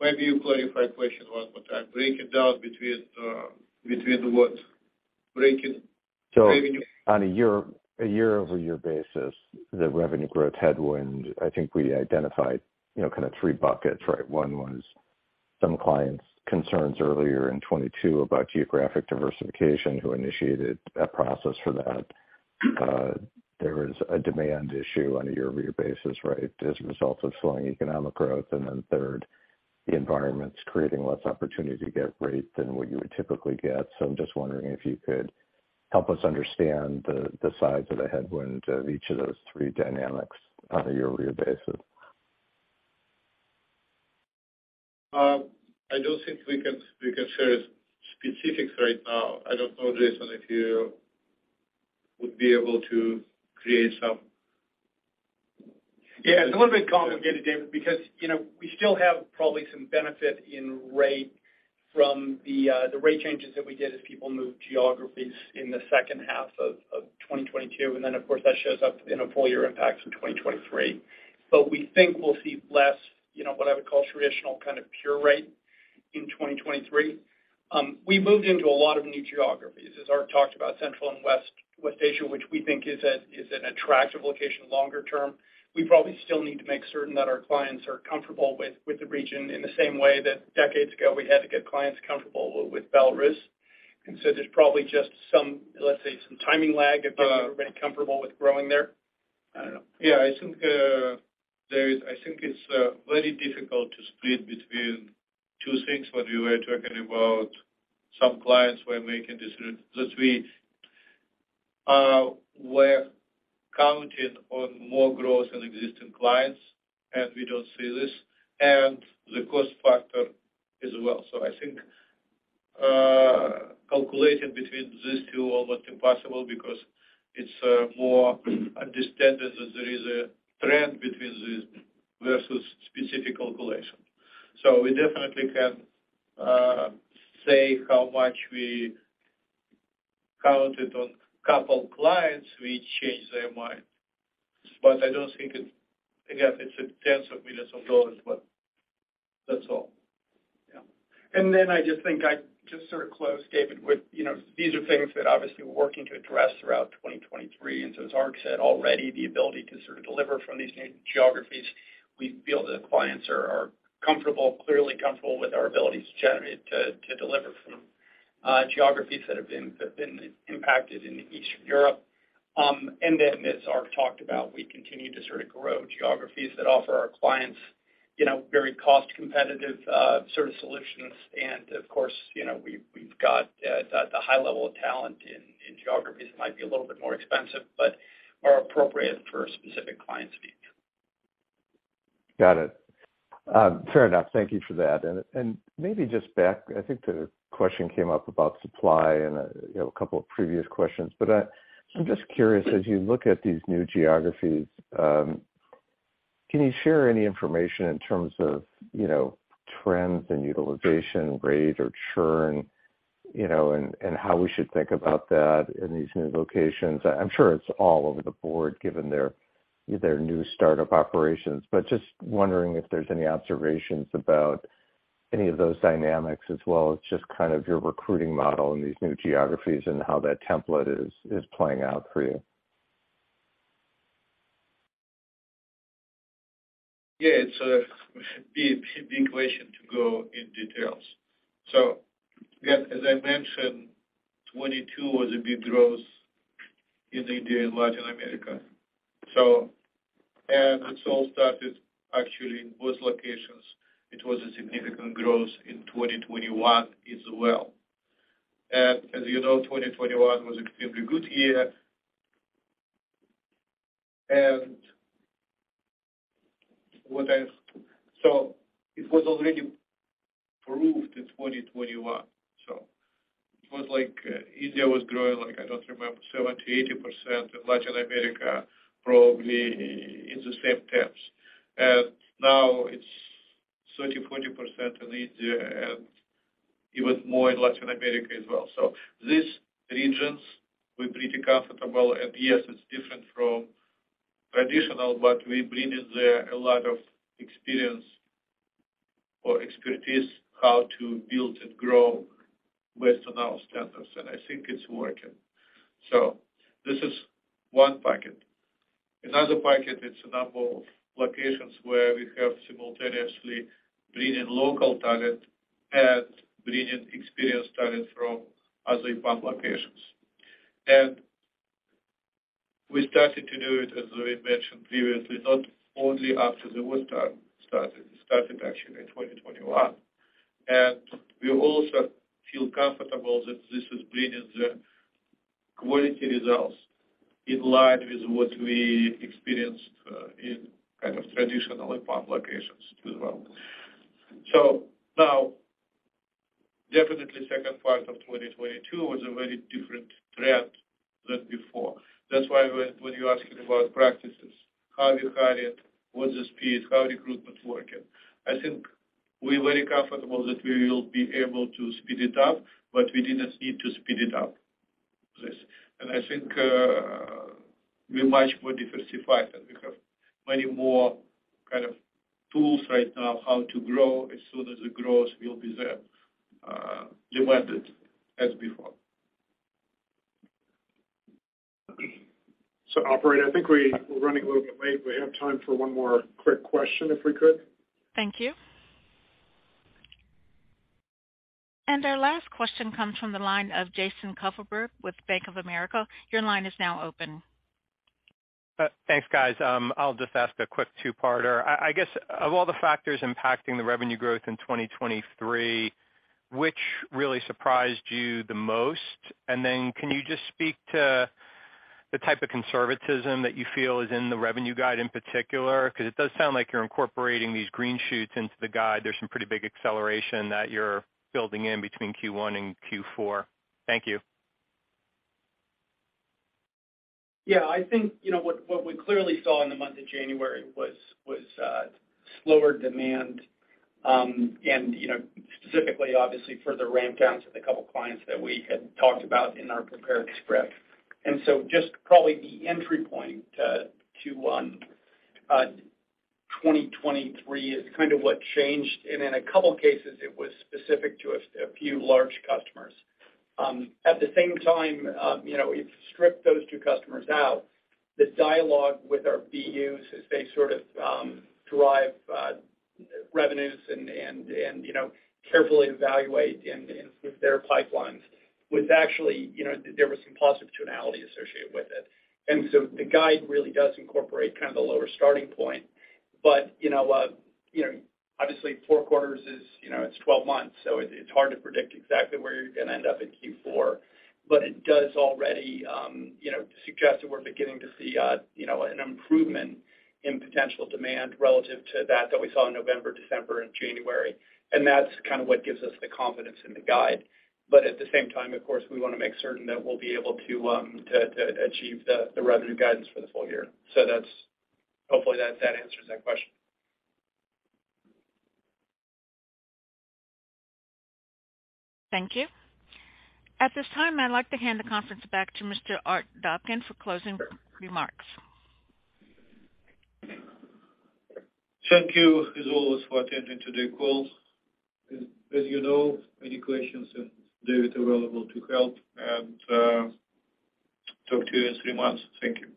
Maybe you clarify question one more time. Break it down between what? Breaking revenue... On a year-over-year basis, the revenue growth headwind, I think we identified, you know, kind of three buckets, right. One was some clients' concerns earlier in 2022 about geographic diversification, who initiated a process for that. There was a demand issue on a year-over-year basis, right, as a result of slowing economic growth. Then third, the environment's creating less opportunity to get rate than what you would typically get. I'm just wondering if you could help us understand the size of the headwind of each of those three dynamics on a year-over-year basis. I don't think we can, we can share specifics right now. I don't know, Jason, if you would be able to create some... Yeah, it's a little bit complicated, David, because, you know, we still have probably some benefit in rate from the rate changes that we did as people moved geographies in the second half of 2022. Of course, that shows up in a full year impacts in 2023. We think we'll see less, you know, what I would call traditional kind of pure rate in 2023. We moved into a lot of new geographies. As Ark talked about, Central and West Asia, which we think is an attractive location longer term. We probably still need to make certain that our clients are comfortable with the region in the same way that decades ago we had to get clients comfortable with Belarus. There's probably just some, let's say, some timing lag if they're not already comfortable with growing there. I don't know. Yeah. I think it's very difficult to split between two things. What we were talking about, some clients were making decision that we were counting on more growth in existing clients, and we don't see this, and the cost factor as well. I think calculating between these two almost impossible because it's more understanding that there is a trend between these versus specific calculation. We definitely can say how much we counted on couple clients which changed their mind. I don't think it's, again, it's tens of millions of dollars, but that's all. Yeah. I just think I'd just sort of close, David, with, you know, these are things that obviously we're working to address throughout 2023. As Ark said already, the ability to sort of deliver from these new geographies, we feel that the clients are comfortable, clearly comfortable with our ability to generate, to deliver from geographies that have been impacted in the East of Europe. As Ark talked about, we continue to sort of grow geographies that offer our clients, you know, very cost competitive solutions. Of course, you know, we've got the high level of talent in geographies that might be a little bit more expensive, but are appropriate for a specific client's feature. Got it. Fair enough. Thank you for that. Maybe just back, I think the question came up about supply and, you know, a couple of previous questions. I'm just curious, as you look at these new geographies, can you share any information in terms of, you know, trends and utilization rate or churn, you know, and how we should think about that in these new locations? I'm sure it's all over the board given their new start-up operations. Just wondering if there's any observations about any of those dynamics as well as just kind of your recruiting model in these new geographies and how that template is playing out for you. Yeah. It's a big, big question to go in details. Again, as I mentioned, 2022 was a big growth in India and Latin America. It all started actually in both locations. It was a significant growth in 2021 as well. As you know, 2021 was extremely good year. It was already proved in 2021. It was like India was growing like, I don't remember, 70%-80%, and Latin America probably in the same terms. Now it's 30%-40% in India and even more in Latin America as well. These regions we're pretty comfortable. Yes, it's different from traditional, but we bring in there a lot of experience or expertise how to build and grow based on our standards, and I think it's working. This is one bucket. Another bucket, it's a number of locations where we have simultaneously bringing local talent and bringing experienced talent from other EPAM locations. We started to do it, as we mentioned previously, not only after the wartime started. It started actually in 2021. We also feel comfortable that this is bringing the quality results in line with what we experienced in kind of traditional EPAM locations as well. Now, definitely second part of 2022 was a very different trend than before. That's why when you're asking about practices, how you hire, what's the speed, how recruitment working? I think we're very comfortable that we will be able to speed it up, but we didn't need to speed it up. This. I think, we're much more diversified, and we have many more kind of tools right now how to grow as soon as the growth will be there, demanded as before. Operator, I think we're running a little bit late. We have time for one more quick question if we could. Thank you. Our last question comes from the line of Jason Kupferberg with Bank of America. Your line is now open. Thanks, guys. I'll just ask a quick two-parter. I guess of all the factors impacting the revenue growth in 2023, which really surprised you the most? Then can you just speak to the type of conservatism that you feel is in the revenue guide in particular? It does sound like you're incorporating these green shoots into the guide. There's some pretty big acceleration that you're building in between Q1 and Q4. Thank you. Yeah. I think, you know, what we clearly saw in the month of January was slower demand, and, you know, specifically obviously for the ramp downs with a couple clients that we had talked about in our prepared script. Just probably the entry point to 2023 is kind of what changed. In a couple cases, it was specific to a few large customers. At the same time, you know, we've stripped those two customers out. The dialogue with our BU's as they sort of derive revenues and, you know, carefully evaluate and with their pipelines was actually, you know, there was some positive tonality associated with it. The guide really does incorporate kind of the lower starting point. You know, you know, obviously four quarters is, you know, it's 12 months, so it's hard to predict exactly where you're gonna end up in Q4. It does already, you know, suggest that we're beginning to see, you know, an improvement in potential demand relative to that we saw in November, December and January. That's kind of what gives us the confidence in the guide. At the same time, of course, we wanna make certain that we'll be able to achieve the revenue guidance for the full year. That's. Hopefully, that answers that question. Thank you. At this time, I'd like to hand the conference back to Mr. Arkadiy Dobkin for closing remarks. Thank you as always for attending today's call. As you know, any questions, and David available to help, and talk to you in three months. Thank you.